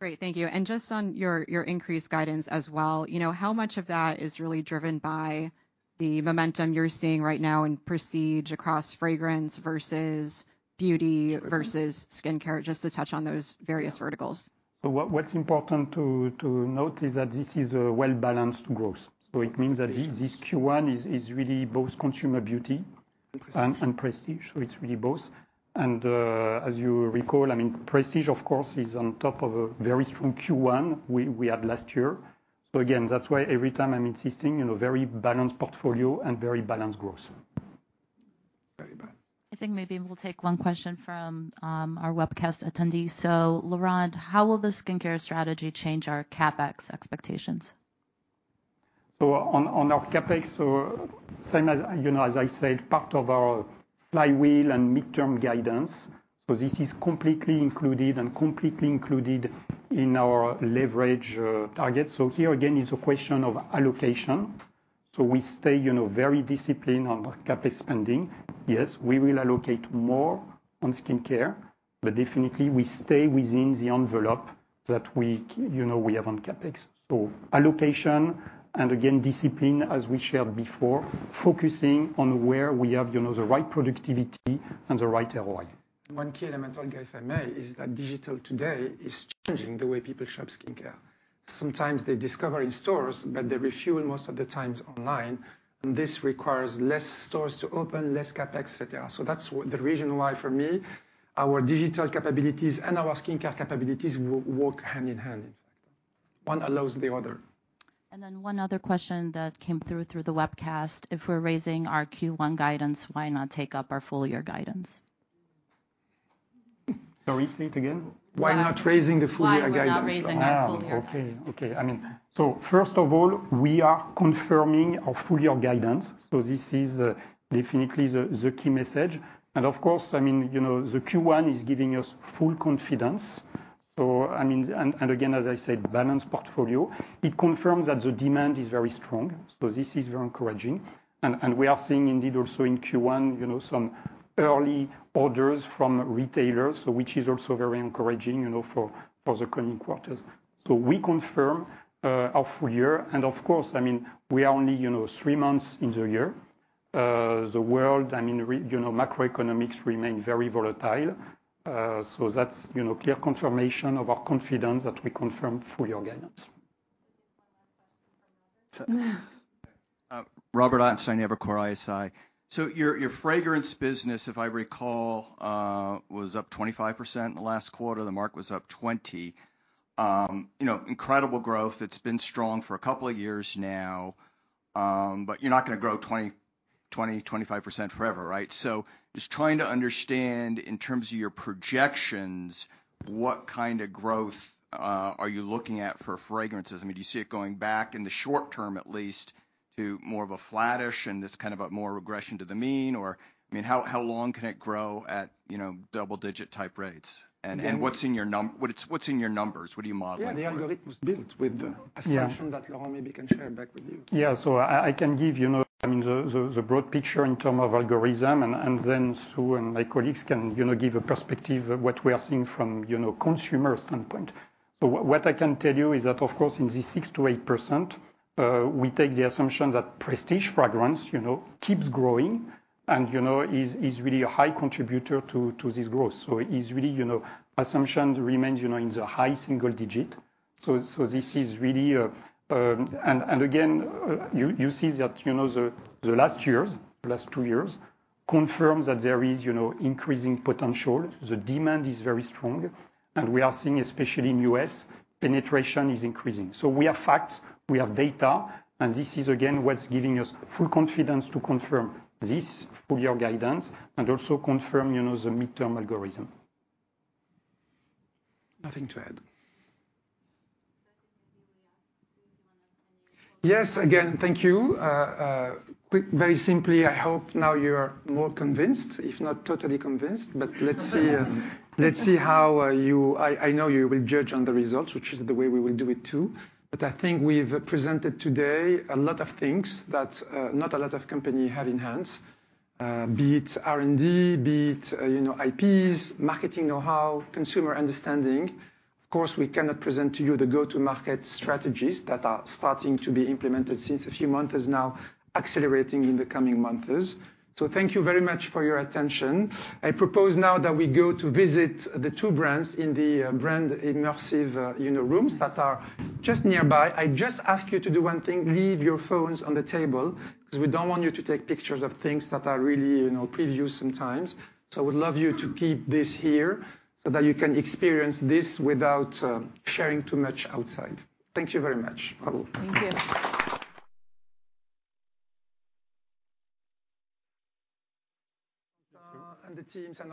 Great. Thank you. Just on your increased guidance as well, you know, how much of that is really driven by the momentum you're seeing right now in prestige across fragrance versus beauty versus skincare? Just to touch on those various verticals. What's important to note is that this is a Well-Balanced growth. It means that this Q1 is really both consumer beauty and prestige. It's really both. As you recall, I mean, prestige, of course, is on top of a very strong Q1 we had last year. Again, that's why every time I'm insisting on a very balanced portfolio and very balanced growth. Very balanced. I think maybe we'll take one question from our webcast attendees. Laurent, how will the skincare strategy change our CapEx expectations? On our CapEx, same as, you know, as I said, part of our flywheel and midterm guidance. This is completely included in our leverage target. Here again is a question of allocation. We stay, you know, very disciplined on CapEx spending. Yes, we will allocate more on skincare, but definitely we stay within the envelope that we, you know, we have on CapEx. Allocation and again, discipline as we shared before, focusing on where we have, you know, the right productivity and the right ROI. One key element, Olivia, if I may, is that digital today is changing the way people shop skincare. Sometimes they discover in stores, but they refuel most of the times online, and this requires less stores to open, less CapEx, et cetera. That's the reason why for me, our digital capabilities and our skincare capabilities work hand in hand. One allows the other. One other question that came through the webcast. If we're raising our Q1 guidance, why not take up our full year guidance? Sorry, say it again. Why not raising the full year guidance? Why we're not raising our full year guidance. I mean, first of all, we are confirming our full year guidance. This is definitely the key message. Of course, I mean, you know, the Q1 is giving us full confidence. I mean, again, as I said, balanced portfolio. It confirms that the demand is very strong, this is very encouraging. We are seeing indeed also in Q1, you know, some early orders from retailers which is also very encouraging, you know, for the coming 1/4s. We confirm our full year. Of course, I mean, we are only, you know, 3 months into your year. Macroeconomics remain very volatile. That's clear confirmation of our confidence that we confirm full year guidance. One last question from the room. Sure. Robbert Ottenstein, Evercore ISI. Your fragrance business, if I recall, was up 25% the last 1/4. Marc was up 20%. You know, incredible growth. It's been strong for a couple of years now. But you're not gonna grow 20-25% forever, right? Just trying to understand in terms of your projections, what kind of growth are you looking at for fragrances? I mean, do you see it going back in the short term at least to more of a flattish and this kind of a more regression to the mean? Or, I mean, how long can it grow at, you know, double digit type rates? And what's in your numbers? What are you modeling? Yeah, the algorithm was built. Yeah. Assumption that Laurent maybe can share back with you. I can give, you know, I mean, the broad picture in terms of algorithm and then Sue and my colleagues can, you know, give a perspective of what we are seeing from, you know, consumer standpoint. What I can tell you is that, of course, in the 6%-8%, we take the assumption that prestige fragrance, you know, keeps growing and, you know, is really a high contributor to this growth. It is really, you know, assumption remains, you know, in the high single digit. This is really. Again, you see that, you know, the last 2 years confirms that there is, you know, increasing potential. The demand is very strong, and we are seeing, especially in U.S., penetration is increasing. We have facts, we have data, and this is again what's giving us full confidence to confirm this full-year guidance and also confirm, you know, the Mid-term algorithm. Nothing to add. Secondly, we ask Sue if you wanna finish. Yes. Again, thank you. Very simply, I hope now you're more convinced, if not totally convinced. Let's see how you. I know you will judge on the results, which is the way we will do it too. I think we've presented today a lot of things that not a lot of companies have in hand, be it R&D, you know, IPs, marketing know-how, consumer understanding. Of course, we cannot present to you the Go-To-Market strategies that are starting to be implemented since a few months now, accelerating in the coming months. Thank you very much for your attention. I propose now that we go to visit the 2 brands in the brand immersive, you know, rooms that are just nearby. I just ask you to do one thing: leave your phones on the table, because we don't want you to take pictures of things that are really, you know, preview sometimes. I would love you to keep this here so that you can experience this without sharing too much outside. Thank you very much. Bye-Bye. Thank you. The teams and